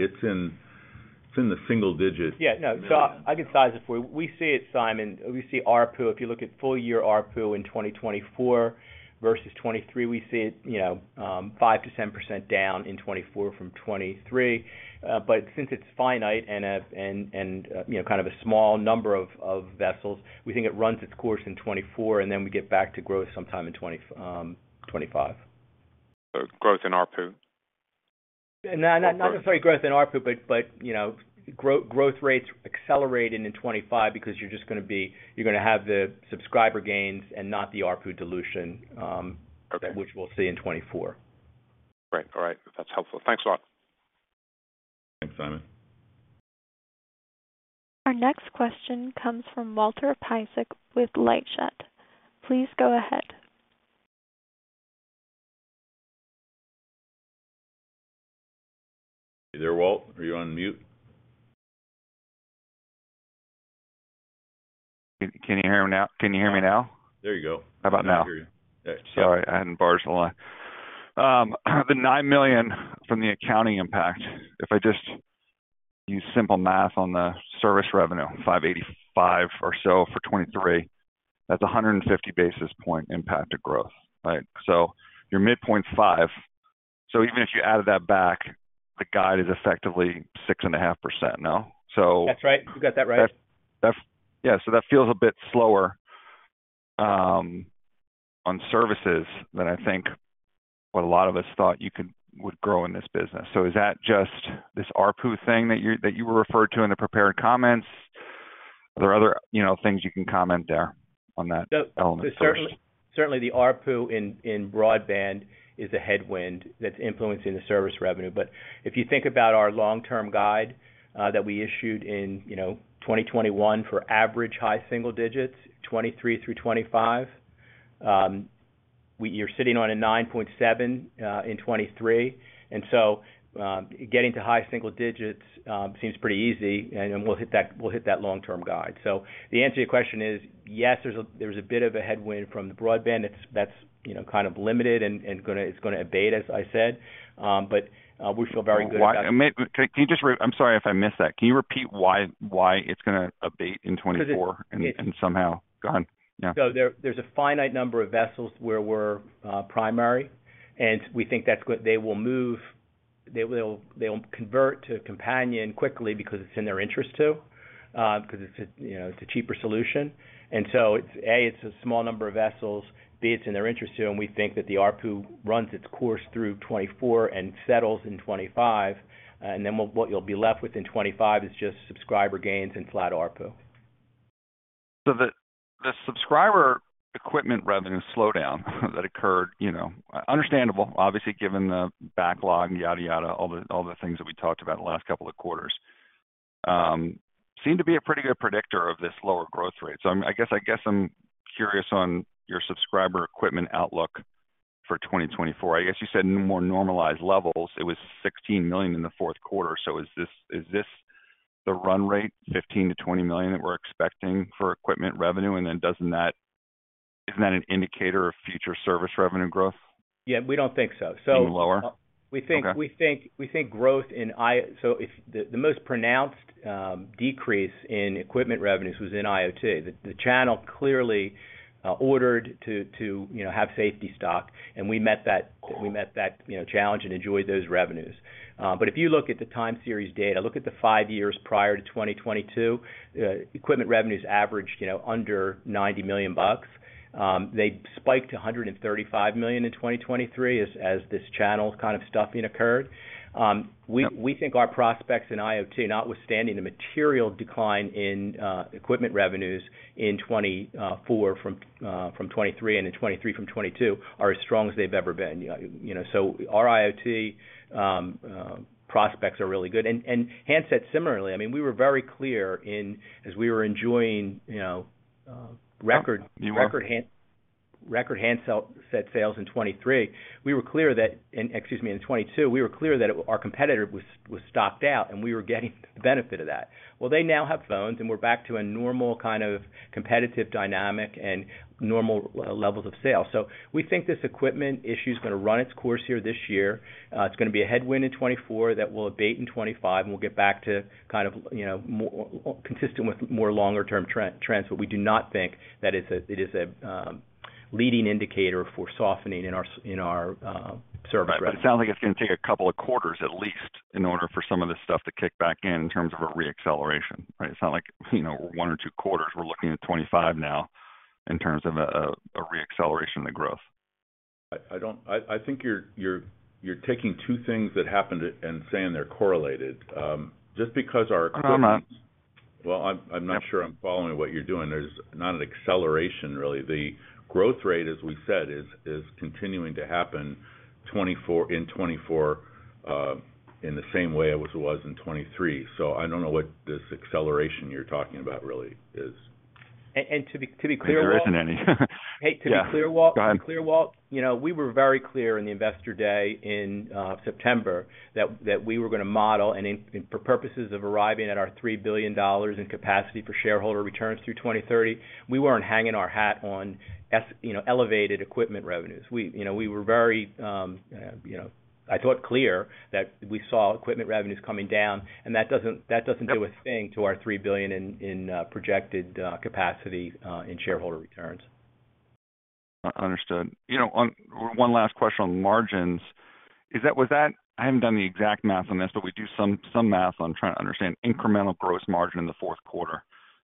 it's in the single digits. Yeah, no. So I can size it for you. We see it, Simon, we see ARPU. If you look at full year ARPU in 2024 versus 2023, we see it, you know, 5%-10% down in 2024 from 2023. But since it's finite and, and you know, kind of a small number of vessels, we think it runs its course in 2024, and then we get back to growth sometime in twenty-five. So growth in ARPU? No, not necessarily growth in ARPU, but you know, growth rates accelerating in 25 because you're just gonna have the subscriber gains and not the ARPU dilution. Okay. -which we'll see in 2024. Great. All right. That's helpful. Thanks a lot. Thanks, Simon. Our next question comes from Walter Piecyk with LightShed Partners. Please go ahead. You there, Walt? Are you on mute? Can you hear me now? Can you hear me now? There you go. How about now? I can hear you. Sorry, I hadn't barged the line. The $9 million from the accounting impact, if I just use simple math on the service revenue, $585 or so for 2023, that's a 150 basis point impact to growth, right? So your midpoint's 5. So even if you added that back, the guide is effectively 6.5% now, so- That's right. You got that right. Yeah, so that feels a bit slower on services than I think what a lot of us thought you would grow in this business. So is that just this ARPU thing that you, that you referred to in the prepared comments? Are there other, you know, things you can comment there on that element? So certainly, certainly the ARPU in, in broadband is a headwind that's influencing the service revenue. But if you think about our long-term guide, that we issued in, you know, 2021 for average high single digits, 2023-2025, you're sitting on a 9.7, in 2023, and so, getting to high single digits, seems pretty easy, and then we'll hit that, we'll hit that long-term guide. So the answer to your question is yes, there's a, there's a bit of a headwind from the broadband that's, that's, you know, kind of limited and, and gonna, it's gonna abate, as I said, but, we feel very good about- Why? Can you just. I'm sorry if I missed that. Can you repeat why, why it's gonna abate in 2024 and, and somehow? Go ahead, yeah. So there, there's a finite number of vessels where we're primary, and we think that's good. They will move—they will, they'll convert to companion quickly because it's in their interest to, because it's a, you know, it's a cheaper solution. And so it's, A, it's a small number of vessels. B, it's in their interest to, and we think that the ARPU runs its course through 2024 and settles in 2025. And then what, what you'll be left with in 2025 is just subscriber gains and flat ARPU. So the subscriber equipment revenue slowdown that occurred, you know, understandable, obviously, given the backlog and yada, yada, all the things that we talked about the last couple of quarters, seem to be a pretty good predictor of this lower growth rate. So I guess I'm curious on your subscriber equipment outlook for 2024. I guess you said more normalized levels. It was $16 million in the fourth quarter. So is this the run rate, $15 million-$20 million, that we're expecting for equipment revenue? And then doesn't that, isn't that an indicator of future service revenue growth? Yeah, we don't think so. So- Even lower? We think- Okay. The most pronounced decrease in equipment revenues was in IoT. The channel clearly ordered to you know have safety stock, and we met that you know challenge and enjoyed those revenues. But if you look at the time series data, look at the five years prior to 2022, equipment revenues averaged you know under $90 million. They spiked to $135 million in 2023 as this channel kind of stuffing occurred. We think our prospects in IoT, notwithstanding the material decline in equipment revenues in 2024 from 2023, and in 2023 from 2022, are as strong as they've ever been. You know, so our IoT prospects are really good. And handset similarly, I mean, we were very clear in, as we were enjoying, you know, record- You were-... record handset sales in 2023. We were clear that in 2022, we were clear that our competitor was stocked out, and we were getting the benefit of that. Well, they now have phones, and we're back to a normal kind of competitive dynamic and normal levels of sale. So we think this equipment issue is gonna run its course here this year. It's gonna be a headwind in 2024 that will abate in 2025, and we'll get back to kind of, you know, more consistent with more longer-term trends. But we do not think that it's a leading indicator for softening in our service record. It sounds like it's gonna take a couple of quarters, at least, in order for some of this stuff to kick back in, in terms of a re-acceleration, right? It's not like, you know, one or two quarters. We're looking at 25 now in terms of a, a re-acceleration of the growth. I don't think you're taking two things that happened and saying they're correlated. Just because our equipment- I'm not. Well, I'm not sure I'm following what you're doing. There's not an acceleration, really. The growth rate, as we said, is continuing to happen in 2024, in the same way it was in 2023. So I don't know what this acceleration you're talking about really is. And to be clear, Walt- I think there isn't any. Hey, to be clear, Walt- Go ahead. To be clear, Walt, you know, we were very clear in the Investor Day in September, that we were gonna model, and in, for purposes of arriving at our $3 billion in capacity for shareholder returns through 2030, we weren't hanging our hat on you know, elevated equipment revenues. We, you know, we were very, you know, I thought, clear that we saw equipment revenues coming down, and that doesn't, that doesn't do a thing to our $3 billion in, in, projected, capacity, in shareholder returns. Understood. You know, on... One last question on margins. Is that, was that—I haven't done the exact math on this, but we do some math on trying to understand incremental gross margin in the fourth quarter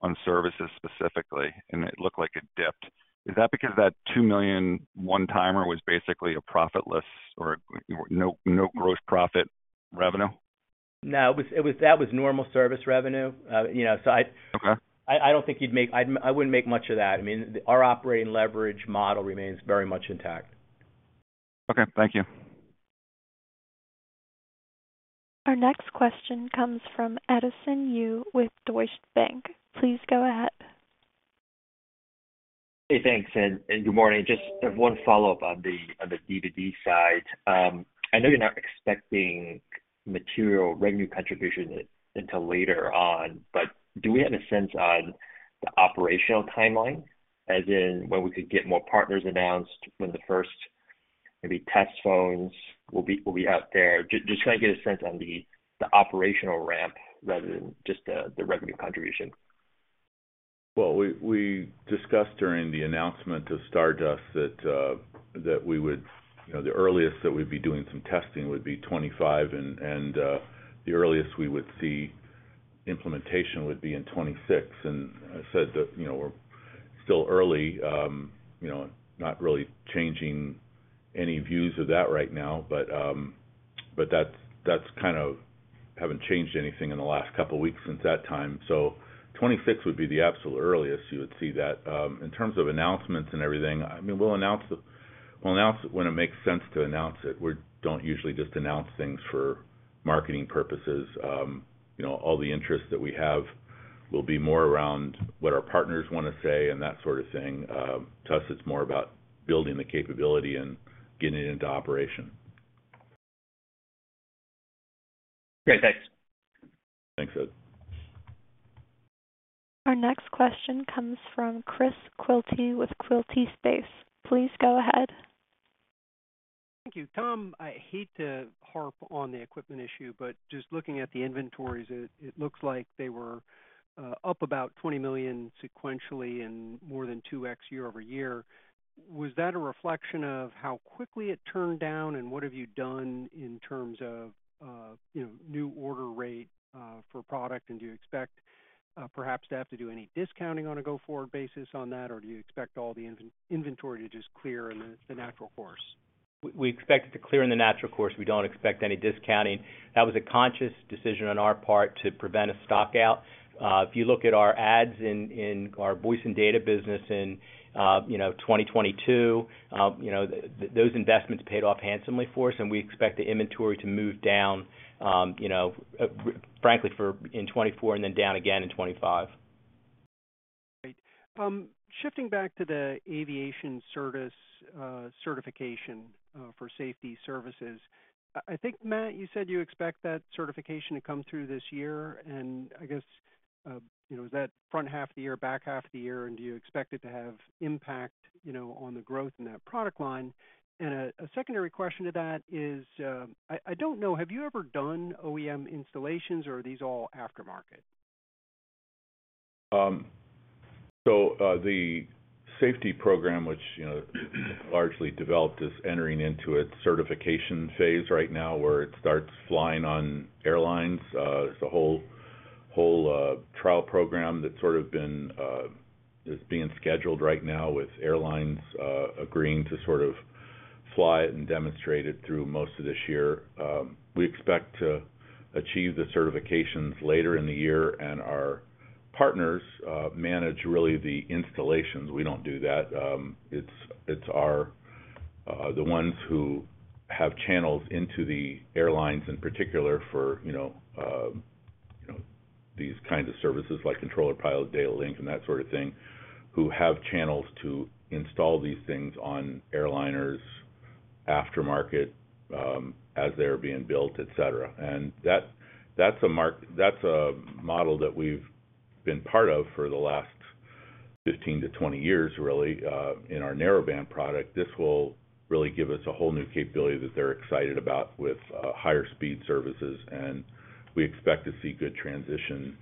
on services specifically, and it looked like it dipped. Is that because that $2 million one-timer was basically a profitless or no gross profit revenue? No, it was, that was normal service revenue. You know, so I- Okay. I don't think you'd make much of that. I mean, our operating leverage model remains very much intact. Okay, thank you. Our next question comes from Edison Yu with Deutsche Bank. Please go ahead. Hey, thanks, and good morning. Just have one follow-up on the D2D side. I know you're not expecting material revenue contribution until later on, but do we have a sense on the operational timeline, as in when we could get more partners announced, when the first maybe test phones will be out there? Just trying to get a sense on the operational ramp rather than just the revenue contribution. Well, we discussed during the announcement of Stardust that we would. You know, the earliest that we'd be doing some testing would be 2025, and the earliest we would see implementation would be in 2026. And I said that, you know, we're still early, you know, not really changing any views of that right now, but but that's kind of haven't changed anything in the last couple of weeks since that time. So 2026 would be the absolute earliest you would see that. In terms of announcements and everything, I mean, we'll announce it when it makes sense to announce it. We don't usually just announce things for marketing purposes. You know, all the interest that we have will be more around what our partners want to say and that sort of thing. To us, it's more about building the capability and getting it into operation. Great. Thanks. Thanks, Ed. Our next question comes from Chris Quilty with Quilty Space. Please go ahead. Thank you. Tom, I hate to harp on the equipment issue, but just looking at the inventories, it looks like they were up about $20 million sequentially and more than 2x year-over-year. Was that a reflection of how quickly it turned down, and what have you done in terms of, you know, new order rate for product? And do you expect perhaps to have to do any discounting on a go-forward basis on that, or do you expect all the inventory to just clear in the natural course? We expect it to clear in the natural course. We don't expect any discounting. That was a conscious decision on our part to prevent a stockout. If you look at our adds in our voice and data business in, you know, 2022, you know, those investments paid off handsomely for us, and we expect the inventory to move down, you know, frankly, for in 2024 and then down again in 2025. Great. Shifting back to the aviation service certification for safety services, I think, Matt, you said you expect that certification to come through this year, and I guess, you know, is that front half of the year, back half of the year? And do you expect it to have impact, you know, on the growth in that product line? And a secondary question to that is, I don't know, have you ever done OEM installations, or are these all aftermarket? So, the safety program, which, you know, largely developed, is entering into its certification phase right now, where it starts flying on airlines. There's a whole trial program that's sort of been is being scheduled right now with airlines, agreeing to sort of fly it and demonstrate it through most of this year. We expect to achieve the certifications later in the year, and our partners manage really the installations. We don't do that. It's the ones who have channels into the airlines in particular for, you know, you know, these kinds of services, like Controller Pilot Data Link, and that sort of thing, who have channels to install these things on airliners aftermarket, as they're being built, et cetera. That's a model that we've been part of for the last 15-20 years, really, in our narrowband product. This will really give us a whole new capability that they're excited about with higher speed services, and we expect to see good transition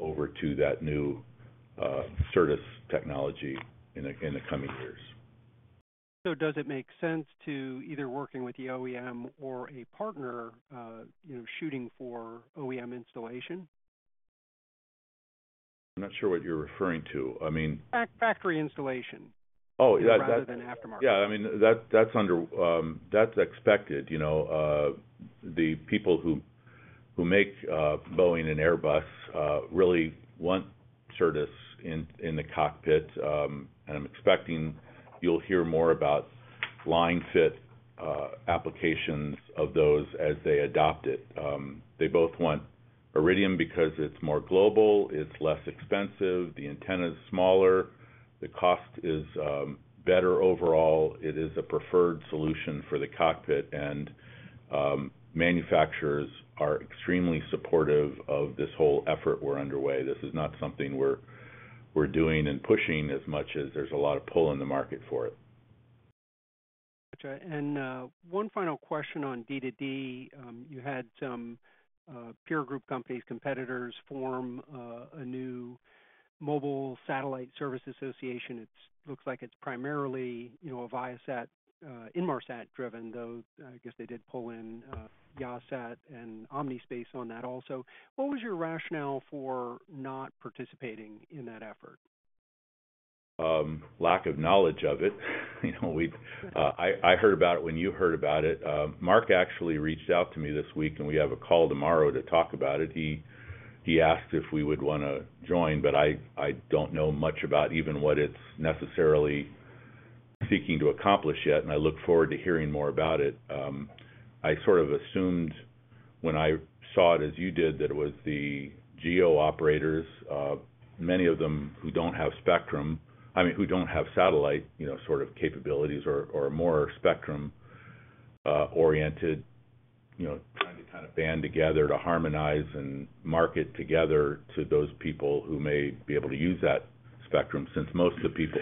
over to that new service technology in the coming years. Does it make sense to either working with the OEM or a partner, you know, shooting for OEM installation? I'm not sure what you're referring to. I mean- Factory installation. Oh, yeah. Rather than aftermarket. Yeah, I mean, that's under, that's expected. You know, the people who make Boeing and Airbus really want Certus in the cockpit. And I'm expecting you'll hear more about line-fit applications of those as they adopt it. They both want Iridium because it's more global, it's less expensive, the antenna's smaller, the cost is better overall. It is a preferred solution for the cockpit, and manufacturers are extremely supportive of this whole effort we're underway. This is not something we're doing and pushing as much as there's a lot of pull in the market for it. Gotcha. And, one final question on D2D. You had some peer group companies, competitors, form a new Mobile Satellite Services Association. It looks like it's primarily, you know, a Viasat, Inmarsat-driven, though, I guess they did pull in Yahsat and Omnispace on that also. What was your rationale for not participating in that effort? Lack of knowledge of it. You know, I heard about it when you heard about it. Mark actually reached out to me this week, and we have a call tomorrow to talk about it. He asked if we would wanna join, but I don't know much about even what it's necessarily seeking to accomplish yet, and I look forward to hearing more about it. I sort of assumed when I saw it as you did, that it was the GEO operators, many of them who don't have spectrum, I mean, who don't have satellite, you know, sort of capabilities or, or more spectrum, oriented, you know, trying to kind of band together to harmonize and market together to those people who may be able to use that spectrum, since most of the people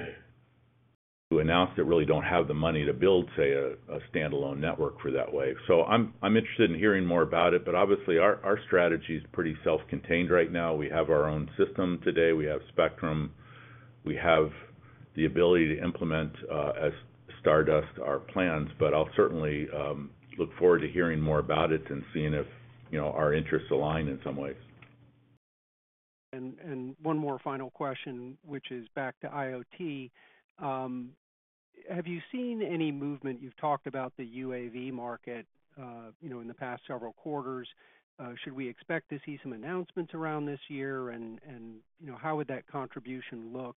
who announced it really don't have the money to build, say, a standalone network for that wave. So I'm interested in hearing more about it, but obviously, our strategy is pretty self-contained right now. We have our own system today, we have spectrum. We have the ability to implement as Stardust our plans, but I'll certainly look forward to hearing more about it and seeing if, you know, our interests align in some ways. one more final question, which is back to IoT. Have you seen any movement? You've talked about the UAV market, you know, in the past several quarters. Should we expect to see some announcements around this year? And, you know, how would that contribution look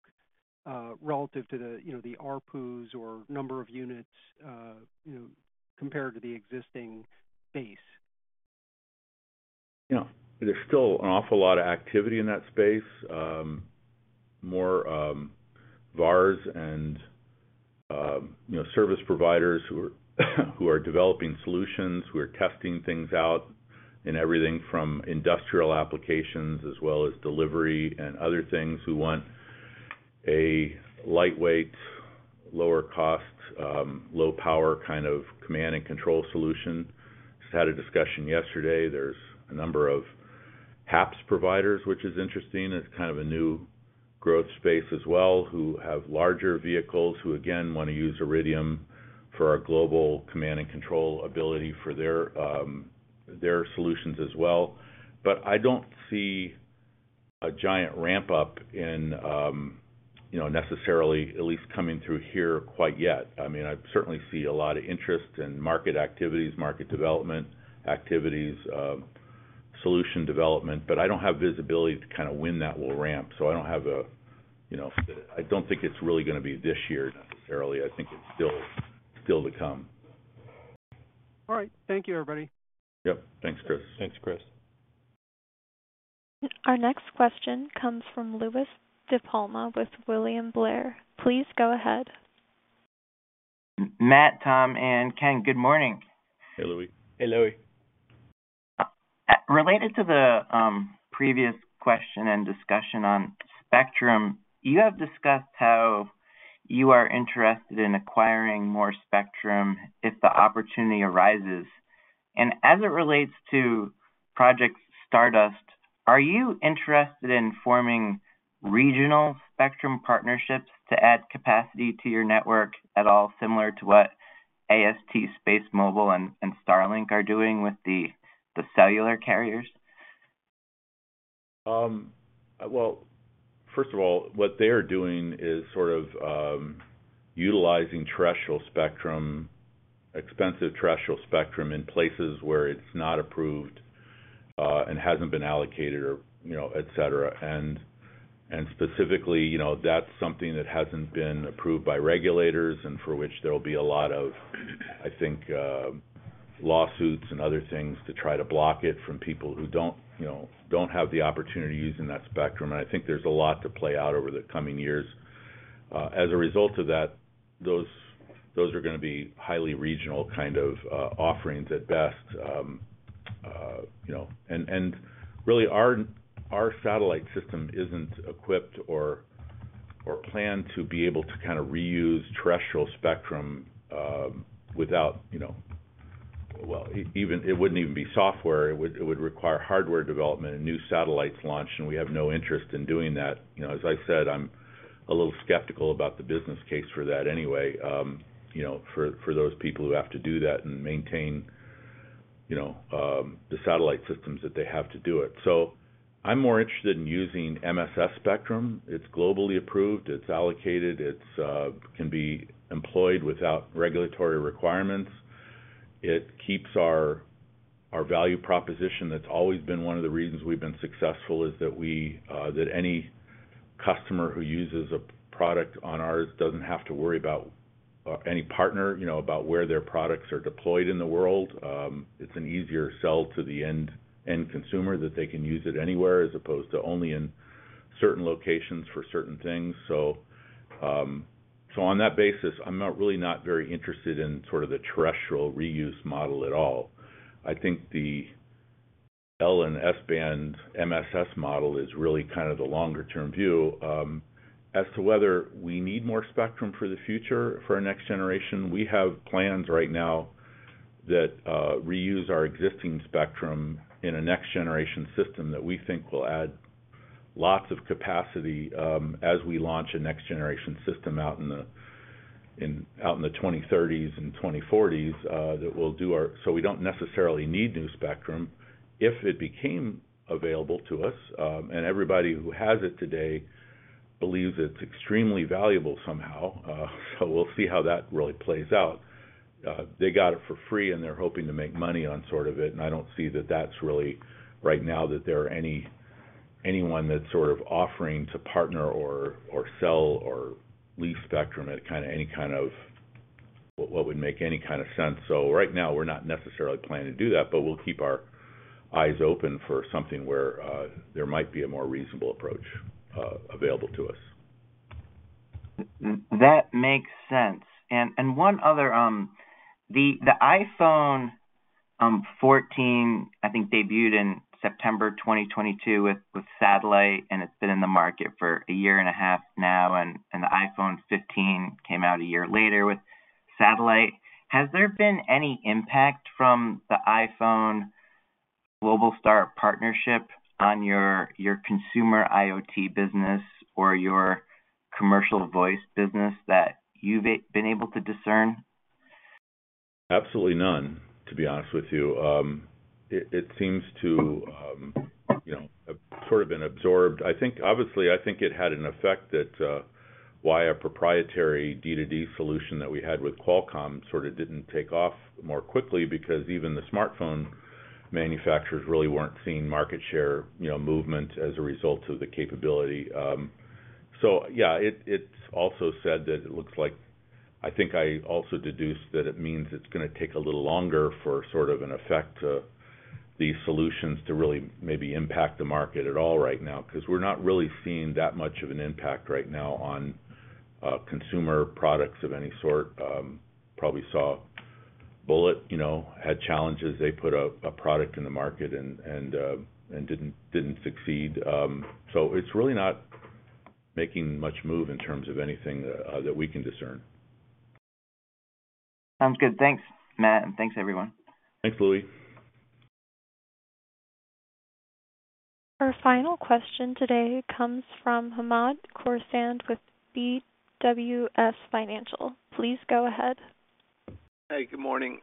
relative to the, you know, the ARPUs or number of units, you know, compared to the existing base? Yeah. There's still an awful lot of activity in that space, more VARs and, you know, service providers who are, who are developing solutions, who are testing things out in everything from industrial applications as well as delivery and other things, who want a lightweight, lower cost, low power, kind of, command and control solution. Just had a discussion yesterday. There's a number of HAPS providers, which is interesting. It's kind of a new growth space as well, who have larger vehicles, who, again, want to use Iridium for our global command and control ability for their, their solutions as well. But I don't see a giant ramp-up in, you know, necessarily, at least coming through here quite yet. I mean, I certainly see a lot of interest in market activities, market development activities, solution development, but I don't have visibility to kind of when that will ramp. So I don't have, you know, I don't think it's really going to be this year, necessarily. I think it's still to come. All right. Thank you, everybody. Yep. Thanks, Chris. Thanks, Chris. Our next question comes from Louie DiPalma with William Blair. Please go ahead. Matt, Tom, and Ken, good morning. Hey, Louie. Hey, Louie. Related to the previous question and discussion on spectrum, you have discussed how you are interested in acquiring more spectrum if the opportunity arises. And as it relates to Project Stardust, are you interested in forming regional spectrum partnerships to add capacity to your network at all, similar to what AST SpaceMobile and Starlink are doing with the cellular carriers? Well, first of all, what they are doing is sort of utilizing terrestrial spectrum, expensive terrestrial spectrum, in places where it's not approved and hasn't been allocated or, you know, et cetera. And specifically, you know, that's something that hasn't been approved by regulators, and for which there will be a lot of, I think, lawsuits and other things to try to block it from people who don't, you know, have the opportunity to use in that spectrum. And I think there's a lot to play out over the coming years. As a result of that, those are going to be highly regional kind of offerings at best. You know, and really, our satellite system isn't equipped or planned to be able to kind of reuse terrestrial spectrum without, you know... Well, even it wouldn't even be software. It would require hardware development and new satellites launched, and we have no interest in doing that. You know, as I said, I'm a little skeptical about the business case for that anyway, you know, for those people who have to do that and maintain, you know, the satellite systems that they have to do it. So I'm more interested in using MSS spectrum. It's globally approved, it's allocated, it can be employed without regulatory requirements. It keeps our value proposition. That's always been one of the reasons we've been successful, is that we, that any customer who uses a product on ours doesn't have to worry about any partner, you know, about where their products are deployed in the world. It's an easier sell to the end, end consumer, that they can use it anywhere, as opposed to only in certain locations for certain things. So, so on that basis, I'm not really not very interested in sort of the terrestrial reuse model at all. I think the L-band and S-band MSS model is really kind of the longer-term view. As to whether we need more spectrum for the future, for our next generation, we have plans right now that, reuse our existing spectrum in a next-generation system, that we think will add lots of capacity, as we launch a next-generation system out in the, in, out in the 2030s and 2040s, that will do our—so we don't necessarily need new spectrum. If it became available to us, and everybody who has it today believes it's extremely valuable somehow, so we'll see how that really plays out. They got it for free, and they're hoping to make money on sort of it, and I don't see that that's really, right now, that there are anyone that's sort of offering to partner or, or sell or lease spectrum at kinda any kind of, what would make any kind of sense. So right now, we're not necessarily planning to do that, but we'll keep our eyes open for something where, there might be a more reasonable approach available to us. That makes sense. And one other, the iPhone 14, I think, debuted in September 2022 with satellite, and it's been in the market for a year and a half now, and the iPhone 15 came out a year later with satellite. Has there been any impact from the iPhone Globalstar partnership on your consumer IoT business or your commercial voice business that you've been able to discern? Absolutely none, to be honest with you. It seems to, you know, sort of been absorbed. I think—obviously, I think it had an effect that why a proprietary D2D solution that we had with Qualcomm sort of didn't take off more quickly, because even the smartphone manufacturers really weren't seeing market share, you know, movement as a result of the capability. So yeah, it, it's also said that it looks like... I think I also deduced that it means it's gonna take a little longer for sort of an effect to these solutions to really maybe impact the market at all right now, because we're not really seeing that much of an impact right now on consumer products of any sort. Probably saw Bullitt, you know, had challenges. They put a product in the market and didn't succeed. So it's really not making much move in terms of anything that we can discern. Sounds good. Thanks, Matt, and thanks, everyone. Thanks, Louie. Our final question today comes from Hamid Khorsand with BWS Financial. Please go ahead. Hey, good morning.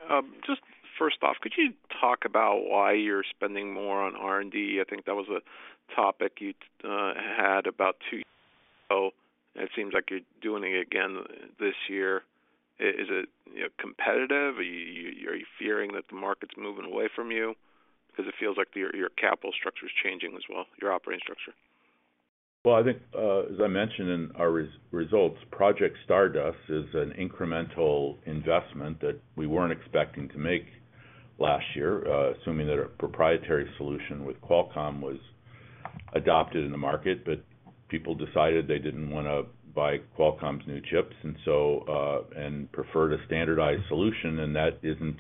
Just first off, could you talk about why you're spending more on R&D? I think that was a topic you had. So it seems like you're doing it again this year. Is it, you know, competitive? Are you fearing that the market's moving away from you? Because it feels like your capital structure is changing as well, your operating structure. Well, I think, as I mentioned in our results, Project Stardust is an incremental investment that we weren't expecting to make last year, assuming that our proprietary solution with Qualcomm was adopted in the market. But people decided they didn't want to buy Qualcomm's new chips, and so, and preferred a standardized solution, and that isn't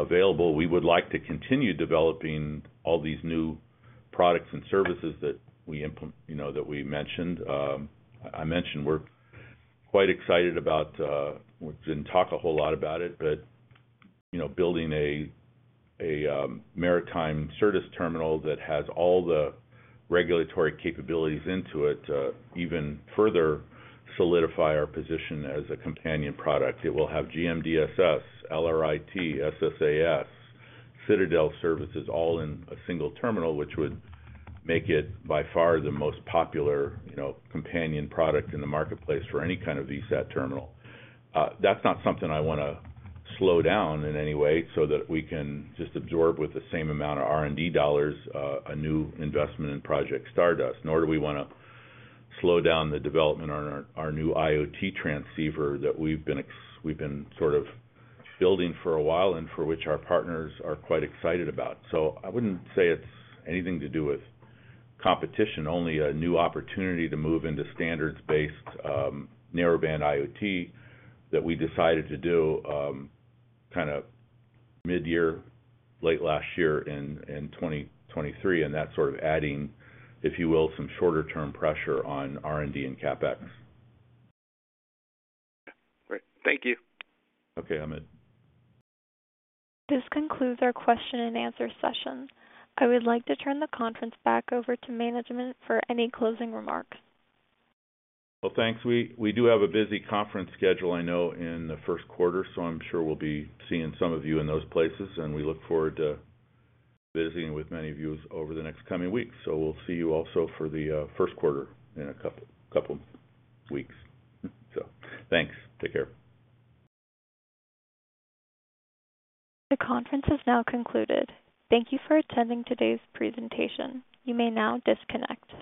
available. We would like to continue developing all these new products and services that we, you know, mentioned. I mentioned we're quite excited about, we didn't talk a whole lot about it, but, you know, building a maritime Certus terminal that has all the regulatory capabilities into it to even further solidify our position as a companion product. It will have GMDSS, LRIT, SSAS, Citadel services, all in a single terminal, which would make it by far the most popular, you know, companion product in the marketplace for any kind of VSAT terminal. That's not something I wanna slow down in any way so that we can just absorb with the same amount of R&D dollars, a new investment in Project Stardust, nor do we wanna slow down the development on our new IoT transceiver that we've been sort of building for a while and for which our partners are quite excited about. I wouldn't say it's anything to do with competition, only a new opportunity to move into standards-based narrowband IoT that we decided to do kinda mid-year, late last year in 2023, and that's sort of adding, if you will, some shorter-term pressure on R&D and CapEx. Great. Thank you. Okay, Hamid. This concludes our question and answer session. I would like to turn the conference back over to management for any closing remarks. Well, thanks. We do have a busy conference schedule, I know, in the first quarter, so I'm sure we'll be seeing some of you in those places, and we look forward to visiting with many of you over the next coming weeks. So we'll see you also for the first quarter in a couple weeks. So thanks. Take care. The conference has now concluded. Thank you for attending today's presentation. You may now disconnect.